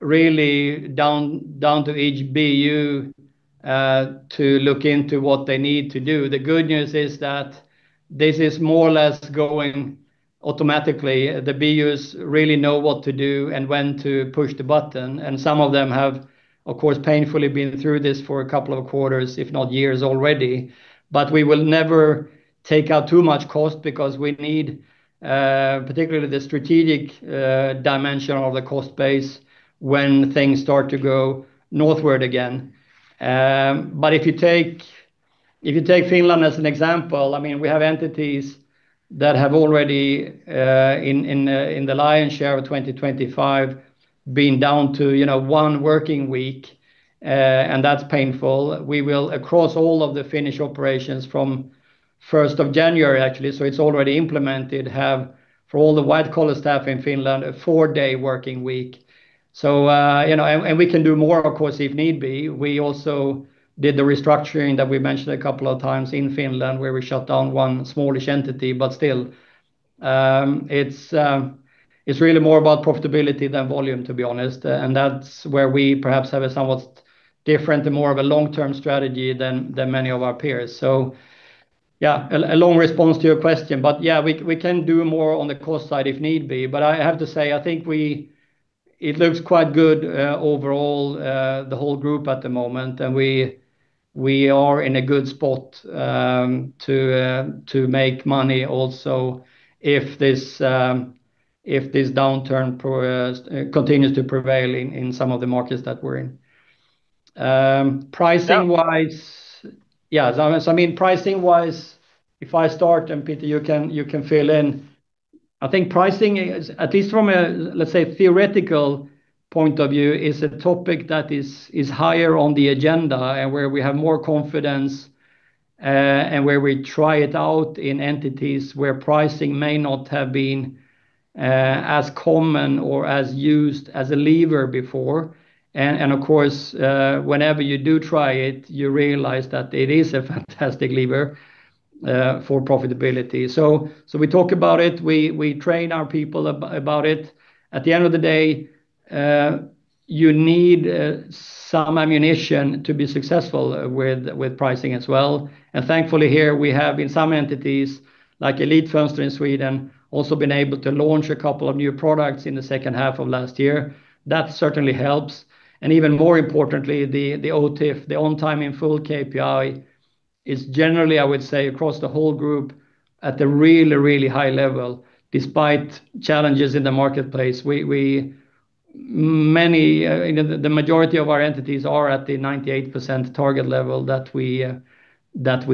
really down to each BU to look into what they need to do. The good news is that this is more or less going automatically. The BUs really know what to do and when to push the button, and some of them have, of course, painfully been through this for a couple of quarters, if not years already. But we will never take out too much cost because we need, particularly the strategic dimension of the cost base when things start to go northward again. But if you take, if you take Finland as an example, I mean, we have entities that have already in the lion's share of 2025, been down to, you know, one working week, and that's painful. We will, across all of the Finnish operations from first of January, actually, so it's already implemented, have, for all the white-collar staff in Finland, a four-day working week. So, you know, and we can do more, of course, if need be. We also did the restructuring that we mentioned a couple of times in Finland, where we shut down one smallish entity, but still, it's really more about profitability than volume, to be honest, and that's where we perhaps have a somewhat different and more of a long-term strategy than many of our peers. So, yeah, a long response to your question, but, yeah, we, we can do more on the cost side if need be. But I have to say, I think we, it looks quite good overall, the whole group at the moment, and we, we are in a good spot to make money also, if this downturn continues to prevail in some of the markets that we're in. Pricing-wise. Yeah, so, I mean, pricing-wise, if I start, and Peter, you can, you can fill in. I think pricing is, at least from a, let's say, theoretical point of view, a topic that is higher on the agenda and where we have more confidence, and where we try it out in entities where pricing may not have been as common or as used as a lever before. And of course, whenever you do try it, you realize that it is a fantastic lever for profitability. So we talk about it, we train our people about it. At the end of the day, you need some ammunition to be successful with pricing as well. And thankfully, here we have, in some entities, like Elitfönster in Sweden, also been able to launch a couple of new products in the second half of last year. That certainly helps. Even more importantly, the OTIF, the On Time In Full KPI, is generally, I would say, across the whole group, at a really, really high level, despite challenges in the marketplace. Many, you know, the majority of our entities are at the 98% target level that we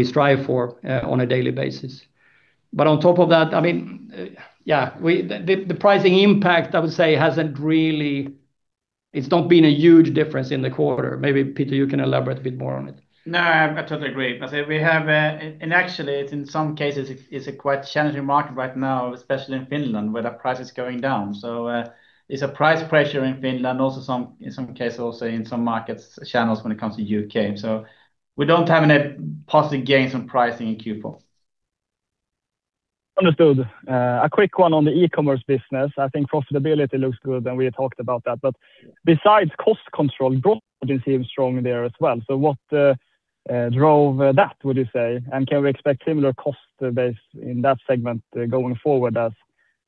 strive for on a daily basis. But on top of that, I mean, yeah, we, the pricing impact, I would say, hasn't really, it's not been a huge difference in the quarter. Maybe, Peter, you can elaborate a bit more on it. No, I totally agree. But we have, and actually, it's in some cases a quite challenging market right now, especially in Finland, where the price is going down. So, it's a price pressure in Finland, also some, in some cases, also in some markets, channels when it comes to U.K. So we don't have any positive gains on pricing in Q4. Understood. A quick one on the e-commerce business. I think profitability looks good, and we talked about that. But besides cost control, growth seems strong there as well. So what drove that, would you say? And can we expect similar cost base in that segment going forward as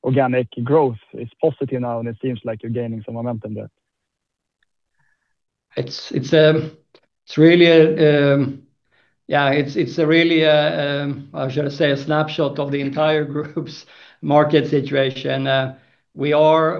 organic growth is positive now, and it seems like you're gaining some momentum there? It's really, yeah, it's a really, how should I say, a snapshot of the entire group's market situation. We are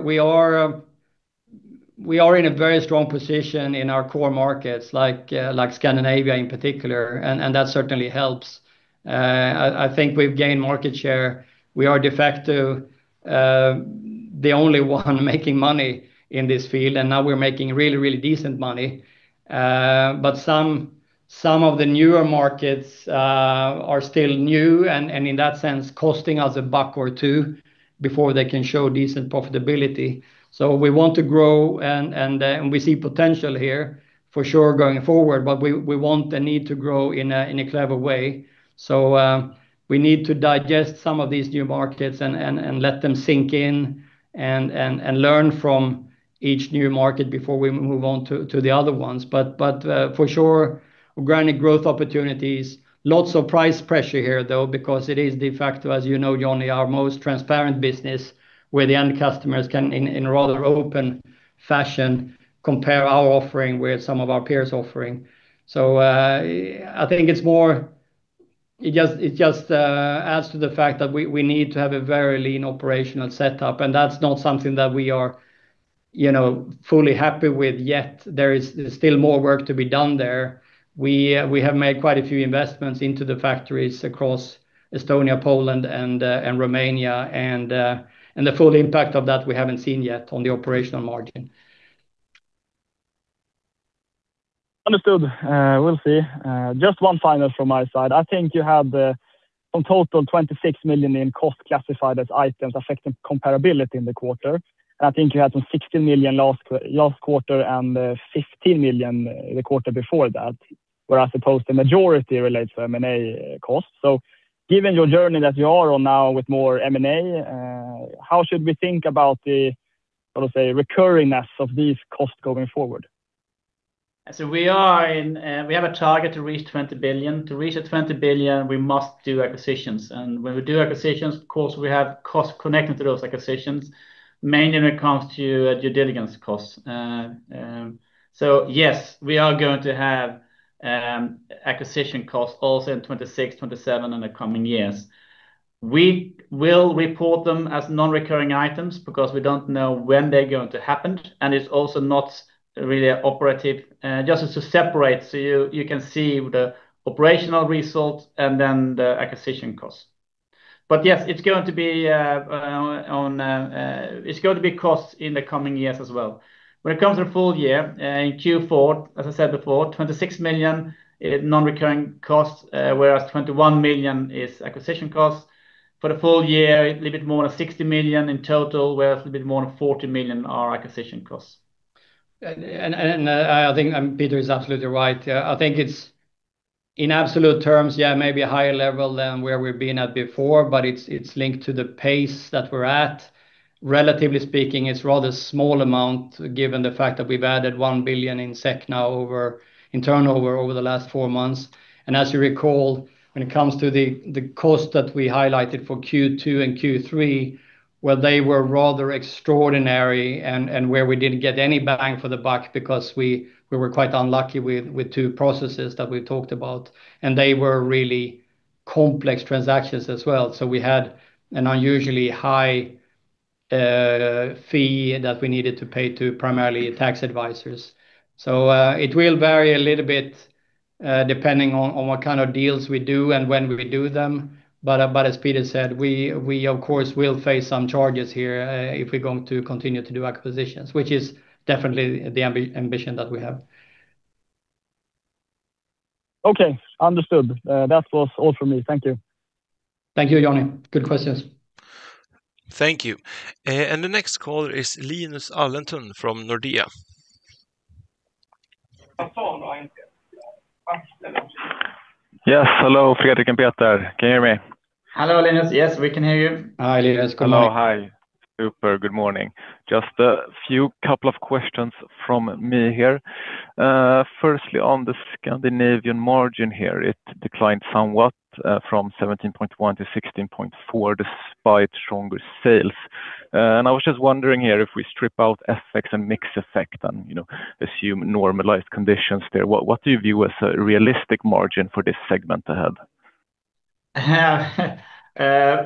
in a very strong position in our core markets, like Scandinavia in particular, and that certainly helps. I think we've gained market share. We are de facto the only one making money in this field, and now we're making really, really decent money. But some of the newer markets are still new, and in that sense, costing us a buck or two before they can show decent profitability. So we want to grow, and we see potential here for sure going forward, but we want and need to grow in a clever way. So, we need to digest some of these new markets and let them sink in and learn from each new market before we move on to the other ones. But, for sure, granted growth opportunities. Lots of price pressure here, though, because it is de facto, as you know, Jonny, our most transparent business, where the end customers can in a rather open fashion compare our offering with some of our peers' offering. So, I think it's more... It just adds to the fact that we need to have a very lean operational setup, and that's not something that we are, you know, fully happy with yet. There is still more work to be done there. We have made quite a few investments into the factories across Estonia, Poland, and Romania, and the full impact of that we haven't seen yet on the operational margin. Understood. We'll see. Just one final from my side. I think you have, on total, 26 million in cost classified as items affecting comparability in the quarter. I think you had some 16 million last quarter and, fifteen million the quarter before that, where I suppose the majority relates to M&A costs. So given your journey that you are on now with more M&A, how should we think about the, how to say, recurringness of these costs going forward? We have a target to reach 20 billion. To reach 20 billion, we must do acquisitions, and when we do acquisitions, of course, we have costs connected to those acquisitions, mainly when it comes to due diligence costs. So yes, we are going to have acquisition costs also in 2026, 2027, in the coming years. We will report them as non-recurring items because we don't know when they're going to happen, and it's also not really operative, just to separate, so you can see the operational results and then the acquisition costs. But yes, it's going to be costs in the coming years as well. When it comes to the full year in Q4, as I said before, 26 million is non-recurring costs, whereas 21 million is acquisition costs. For the full year, a little bit more than 60 million in total, whereas a bit more than 40 million are acquisition costs. I think Peter is absolutely right. I think it's, in absolute terms, yeah, maybe a higher level than where we've been at before, but it's linked to the pace that we're at. Relatively speaking, it's a rather small amount, given the fact that we've added 1 billion in turnover over the last four months. And as you recall, when it comes to the cost that we highlighted for Q2 and Q3, where they were rather extraordinary and where we didn't get any bang for the buck because we were quite unlucky with two processes that we talked about, and they were really complex transactions as well. So we had an unusually high fee that we needed to pay to primarily tax advisors. So, it will vary a little bit, depending on what kind of deals we do and when we do them. But as Peter said, we of course will face some charges here, if we're going to continue to do acquisitions, which is definitely the ambition that we have. Okay, understood. That was all from me. Thank you. Thank you, Jonny. Good questions. Thank you. The next caller is Linus Andersson from Nordea. Yes, hello, Fredrik and Peter. Can you hear me? Hello, Linus. Yes, we can hear you. Hi, Linus. Good morning. Hello. Hi. Super. Good morning. Just a few couple of questions from me here. Firstly, on the Scandinavian margin here, it declined somewhat from 17.1%-16.4%, despite stronger sales. And I was just wondering here, if we strip out effects and mix effect and, you know, assume normalized conditions there, what do you view as a realistic margin for this segment ahead? I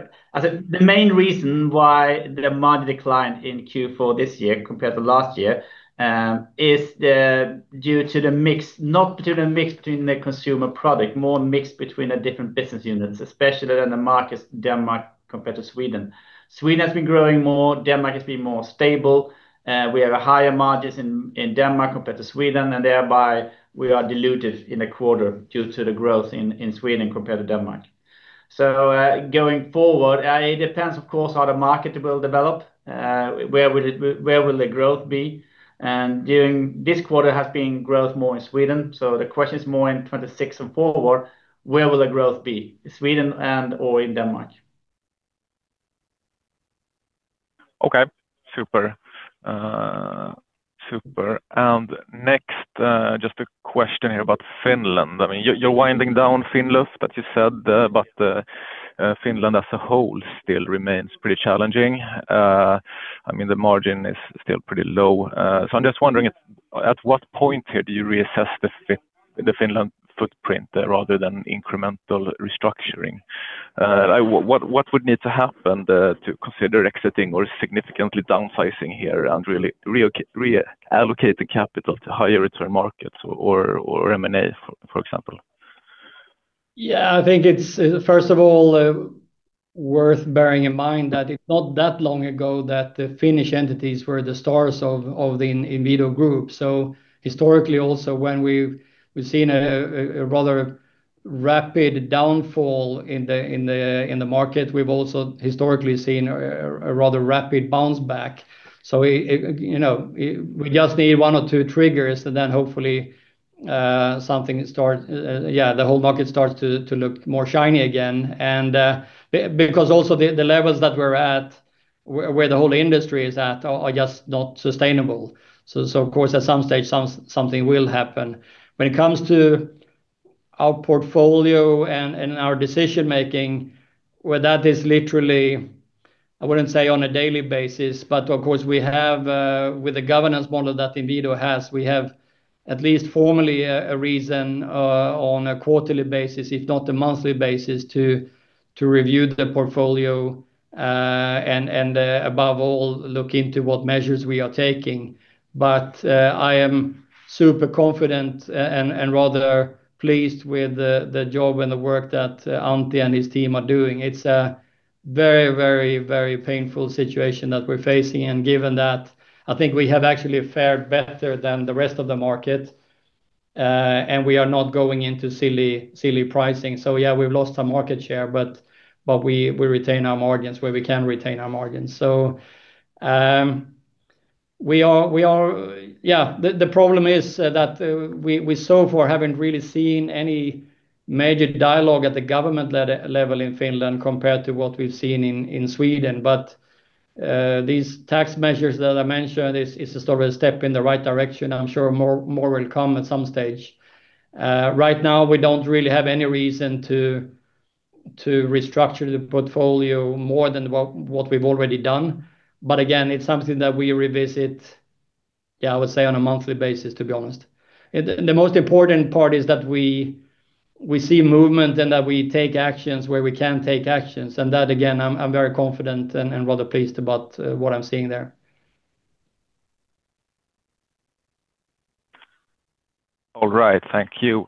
think the main reason why the margin declined in Q4 this year compared to last year is due to the mix, not due to the mix between the consumer product, more mix between the different business units, especially in the markets, Denmark compared to Sweden. Sweden has been growing more, Denmark has been more stable. We have a higher margins in Denmark compared to Sweden, and thereby we are diluted in the quarter due to the growth in Sweden compared to Denmark. So, going forward, it depends, of course, how the market will develop, where will the growth be? And during this quarter has been growth more in Sweden, so the question is more in 2026 and forward, where will the growth be, in Sweden and/or in Denmark? Okay. Super, super. And next, just a question here about Finland. I mean, you're, you're winding down Finluft, but you said, but, Finland as a whole still remains pretty challenging. I mean, the margin is still pretty low. So I'm just wondering at, at what point here do you reassess the Finland footprint rather than incremental restructuring? What, what would need to happen, to consider exiting or significantly downsizing here and really reallocate the capital to higher return markets or, or M&A, for, for example? Yeah, I think it's, first of all, worth bearing in mind that it's not that long ago that the Finnish entities were the stars of the Inwido Group. So historically, also, when we've seen a rather rapid downfall in the market, we've also historically seen a rather rapid bounce back. So you know, we just need one or two triggers, and then hopefully something starts. Yeah, the whole market starts to look more shiny again. And because also the levels that we're at, where the whole industry is at, are just not sustainable. So of course, at some stage, something will happen. When it comes to our portfolio and our decision-making, well, that is literally. I wouldn't say on a daily basis, but of course, we have with the governance model that Inwido has, we have at least formally a reason on a quarterly basis, if not a monthly basis, to review the portfolio and above all, look into what measures we are taking. But I am super confident and rather pleased with the job and the work that Antti and his team are doing. It's a very, very, very painful situation that we're facing, and given that, I think we have actually fared better than the rest of the market and we are not going into silly, silly pricing. So yeah, we've lost some market share, but we retain our margins where we can retain our margins. So, we are. Yeah, the problem is that we so far haven't really seen any major dialogue at the government leadership level in Finland compared to what we've seen in Sweden. But these tax measures that I mentioned is a sort of a step in the right direction. I'm sure more will come at some stage. Right now, we don't really have any reason to restructure the portfolio more than what we've already done. But again, it's something that we revisit, yeah, I would say, on a monthly basis, to be honest. The most important part is that we see movement and that we take actions where we can take actions, and that, again, I'm very confident and rather pleased about what I'm seeing there. All right, thank you.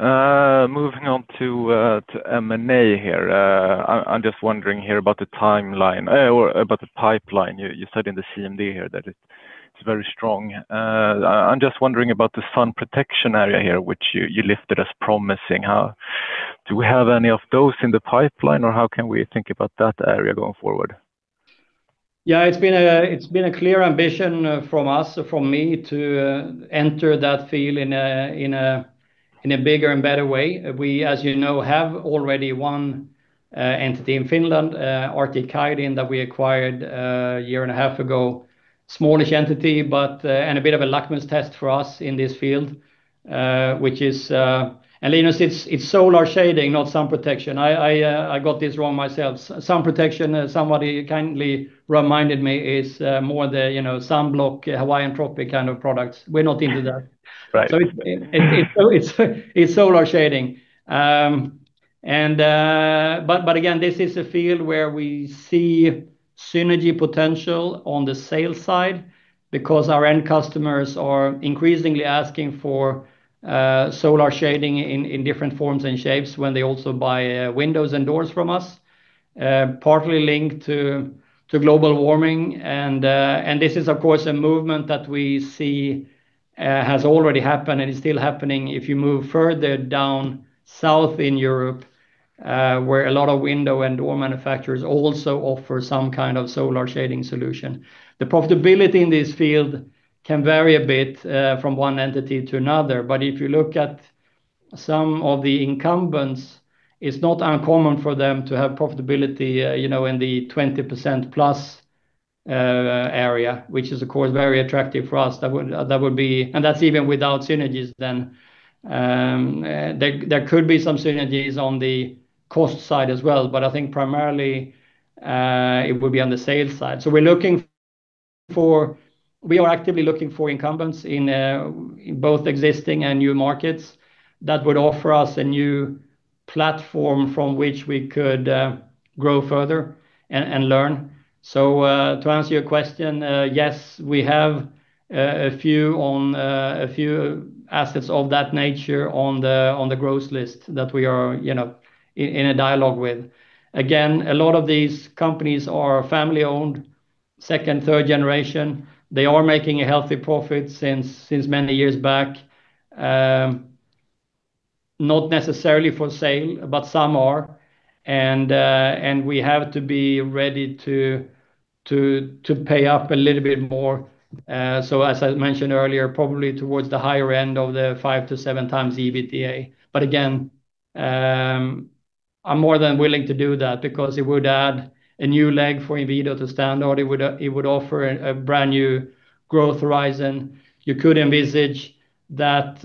Moving on to M&A here. I'm just wondering here about the timeline or about the pipeline. You said in the CMD here that it's very strong. I'm just wondering about the sun protection area here, which you listed as promising. Do we have any of those in the pipeline, or how can we think about that area going forward? Yeah, it's been a, it's been a clear ambition, from us, from me to, enter that field in a, in a, in a bigger and better way. We, as you know, have already one, entity in Finland, Artic Kaihdin that we acquired, a year and a half ago. Smallish entity, but, and a bit of a litmus test for us in this field, which is, and Linus, it's, it's solar shading, not sun protection. I, I, I got this wrong myself. Sun protection, somebody kindly reminded me, is, more the, you know, sunblock, Hawaiian Tropic kind of products. We're not into that. Right. It's solar shading. But again, this is a field where we see synergy potential on the sales side because our end customers are increasingly asking for solar shading in different forms and shapes when they also buy windows and doors from us, partly linked to global warming. And this is, of course, a movement that we see has already happened and is still happening if you move further down south in Europe, where a lot of window and door manufacturers also offer some kind of solar shading solution. The profitability in this field can vary a bit, from one entity to another, but if you look at some of the incumbents, it's not uncommon for them to have profitability, you know, in the 20%+ area, which is, of course, very attractive for us. That would be, and that's even without synergies then. There could be some synergies on the cost side as well, but I think primarily, it would be on the sales side. So we're looking for, we are actively looking for incumbents in both existing and new markets that would offer us a new platform from which we could grow further and learn. So, to answer your question, yes, we have a few assets of that nature on the growth list that we are, you know, in a dialogue with. Again, a lot of these companies are family-owned, second, third generation. They are making a healthy profit since many years back. Not necessarily for sale, but some are. And we have to be ready to pay up a little bit more. So as I mentioned earlier, probably towards the higher end of the 5-7x EBITDA. But again, I'm more than willing to do that because it would add a new leg for Inwido to stand on. It would offer a brand new growth horizon. You could envisage that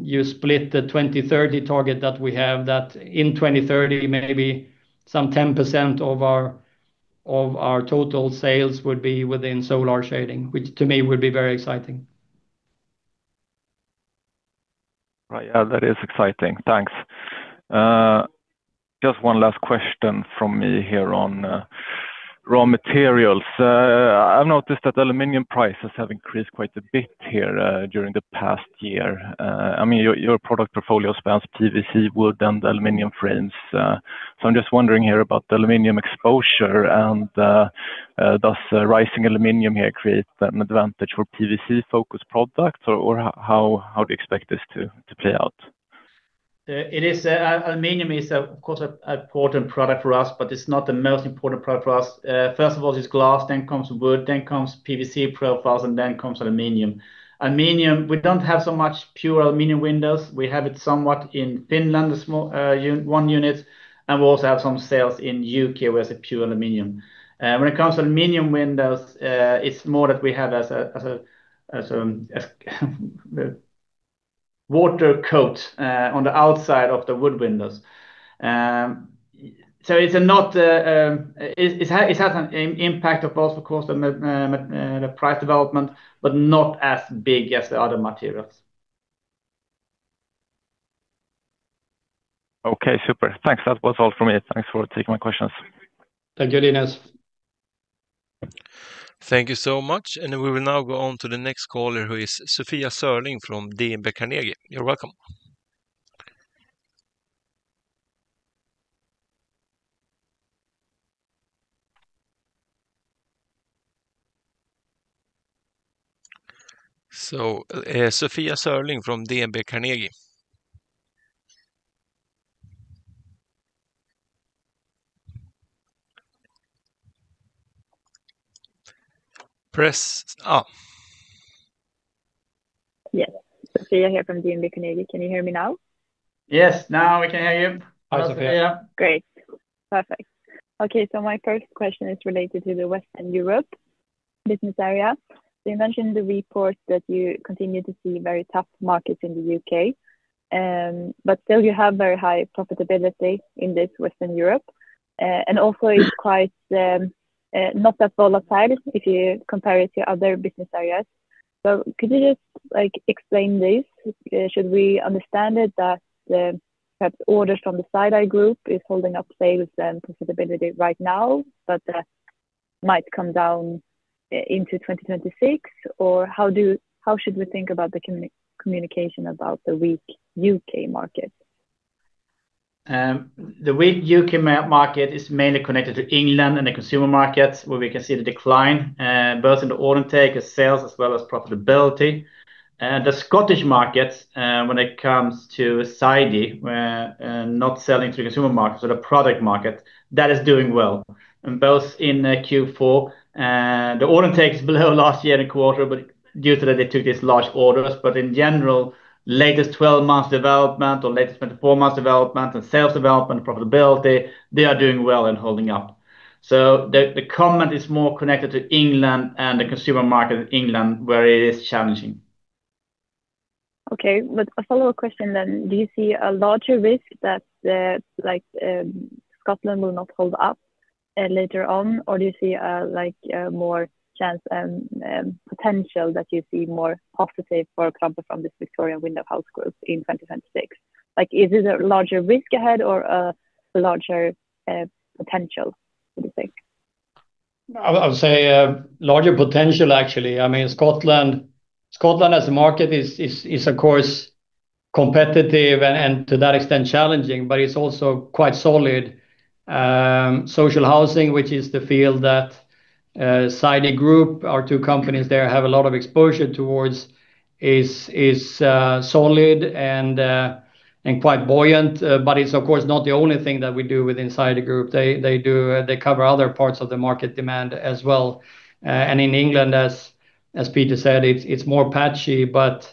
you split the 2030 target that we have, that in 2030, maybe some 10% of our total sales would be within solar shading, which to me would be very exciting. Right. Yeah, that is exciting. Thanks. Just one last question from me here on raw materials. I've noticed that aluminum prices have increased quite a bit here during the past year. I mean, your product portfolio spans PVC, wood, and aluminum frames. So I'm just wondering here about the aluminum exposure and does rising aluminum here create an advantage for PVC-focused products, or how do you expect this to play out? It is, aluminum is, of course, an important product for us, but it's not the most important product for us. First of all, it's glass, then comes wood, then comes PVC profiles, and then comes aluminum. Aluminum, we don't have so much pure aluminum windows. We have it somewhat in Finland, a small, one unit, and we also have some sales in U.K., where it's a pure aluminum. When it comes to aluminum windows, it's more that we have powder coat on the outside of the wood windows. So it has an impact, of course, the price development, but not as big as the other materials. Okay, super. Thanks. That was all from me. Thanks for taking my questions. Thank you, Linus. Thank you so much, and we will now go on to the next caller, who is Sofia Sörling from DNB Carnegie. You're welcome. So, Sofia Sörling from DNB Carnegie? Yes. Sofia here from DNB Carnegie. Can you hear me now? Yes, now we can hear you. Hi, Sofiia. Great. Perfect. Okay, so my first question is related to the Western Europe business area. You mentioned in the report that you continue to see very tough markets in the U.K., but still you have very high profitability in this Western Europe. And also it's quite not that volatile if you compare it to other business areas. So could you just, like, explain this? Should we understand it that perhaps orders from the Sidey Group is holding up sales and profitability right now, but might come down into 2026? Or how should we think about the communication about the weak U.K. market? The weak U.K. market is mainly connected to England and the consumer markets, where we can see the decline, both in the order intake, the sales, as well as profitability. The Scottish markets, when it comes to Sidey, not selling to the consumer market, so the product market, that is doing well, both in Q4. The order take is below last year in the quarter, but due to that, they took these large orders. But in general, latest 12 months development or latest 24 months development and sales development, profitability, they are doing well and holding up. So the comment is more connected to England and the consumer market in England, where it is challenging. Okay, but a follow-up question then: do you see a larger risk that, like, Scotland will not hold up, later on, or do you see, like, more chance and, potential that you see more positive, for example, from this Victorian Sliders in 2026? Like, is it a larger risk ahead or a larger, potential, do you think? I would say larger potential, actually. I mean, Scotland as a market is of course competitive and to that extent challenging, but it's also quite solid. Social housing, which is the field that Sidey Group, our two companies there have a lot of exposure towards, is solid and quite buoyant. But it's of course not the only thing that we do within Sidey Group. They do, they cover other parts of the market demand as well. And in England, as Peter said, it's more patchy, but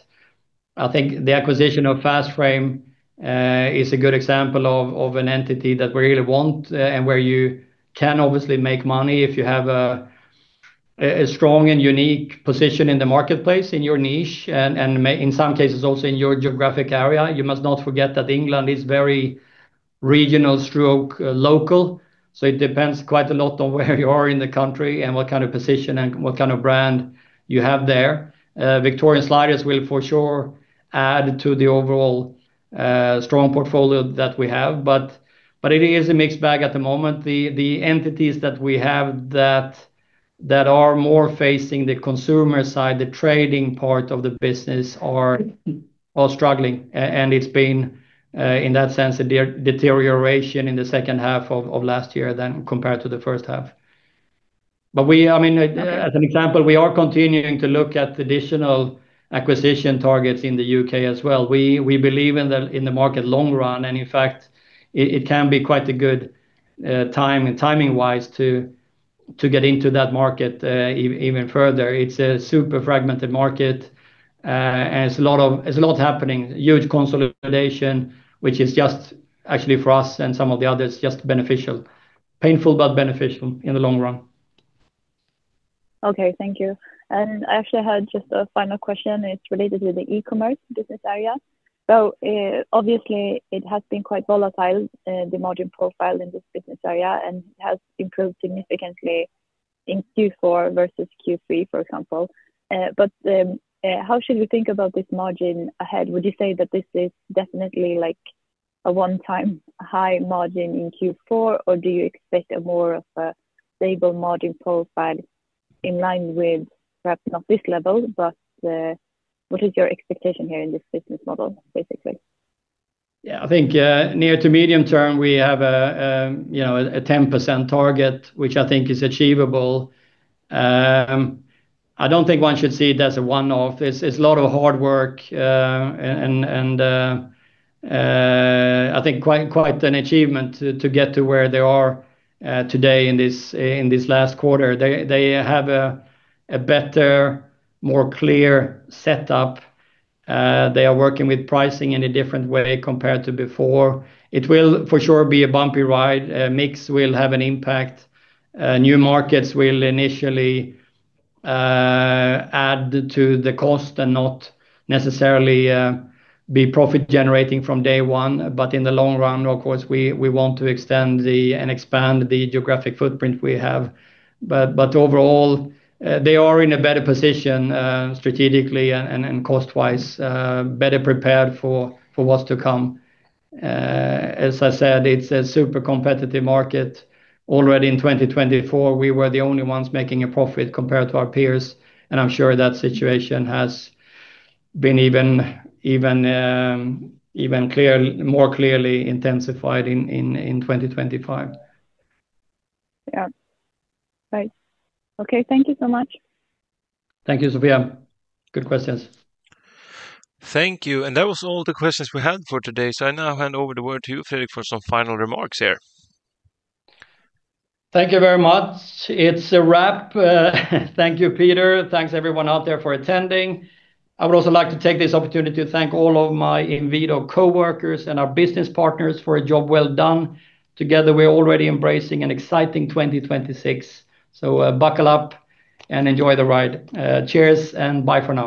I think the acquisition of Fast Frame is a good example of an entity that we really want, and where you can obviously make money if you have a strong and unique position in the marketplace, in your niche, and may, in some cases, also in your geographic area. You must not forget that England is very regional stroke local, so it depends quite a lot on where you are in the country and what kind of position and what kind of brand you have there. Victorian Sliders will for sure add to the overall strong portfolio that we have, but it is a mixed bag at the moment. The entities that we have that are more facing the consumer side, the trading part of the business are all struggling. And it's been, in that sense, a deterioration in the second half of last year than compared to the first half. But we, I mean, as an example, we are continuing to look at additional acquisition targets in the U.K. as well. We believe in the market long run, and in fact, it can be quite a good time and timing-wise to get into that market even further. It's a super fragmented market, and there's a lot happening, huge consolidation, which is just actually for us and some of the others, just beneficial. Painful, but beneficial in the long run. Okay, thank you. And I actually had just a final question, it's related to the e-commerce business area. So, obviously, it has been quite volatile, the margin profile in this business area, and it has improved significantly in Q4 versus Q3, for example. But, how should we think about this margin ahead? Would you say that this is definitely, like, a one-time high margin in Q4, or do you expect more of a stable margin profile in line with perhaps not this level, but, what is your expectation here in this business model, basically? Yeah, I think, near to medium term, we have a, you know, a 10% target, which I think is achievable. I don't think one should see it as a one-off. It's, it's a lot of hard work, and, and, I think quite, quite an achievement to, to get to where they are, today in this, in this last quarter. They, they have a, a better, more clear setup. They are working with pricing in a different way compared to before. It will, for sure, be a bumpy ride. Mix will have an impact. New markets will initially, add to the cost and not necessarily, be profit-generating from day one. But in the long run, of course, we, we want to extend and expand the geographic footprint we have. But overall, they are in a better position strategically and cost-wise, better prepared for what's to come. As I said, it's a super competitive market. Already in 2024, we were the only ones making a profit compared to our peers, and I'm sure that situation has been even more clearly intensified in 2025. Yeah. Right. Okay, thank you so much. Thank you, Sofia. Good questions. Thank you. That was all the questions we had for today. I now hand over the word to you, Fredrik, for some final remarks here. Thank you very much. It's a wrap. Thank you, Peter. Thanks, everyone out there for attending. I would also like to take this opportunity to thank all of my Inwido coworkers and our business partners for a job well done. Together, we're already embracing an exciting 2026. So, buckle up and enjoy the ride. Cheers, and bye for now!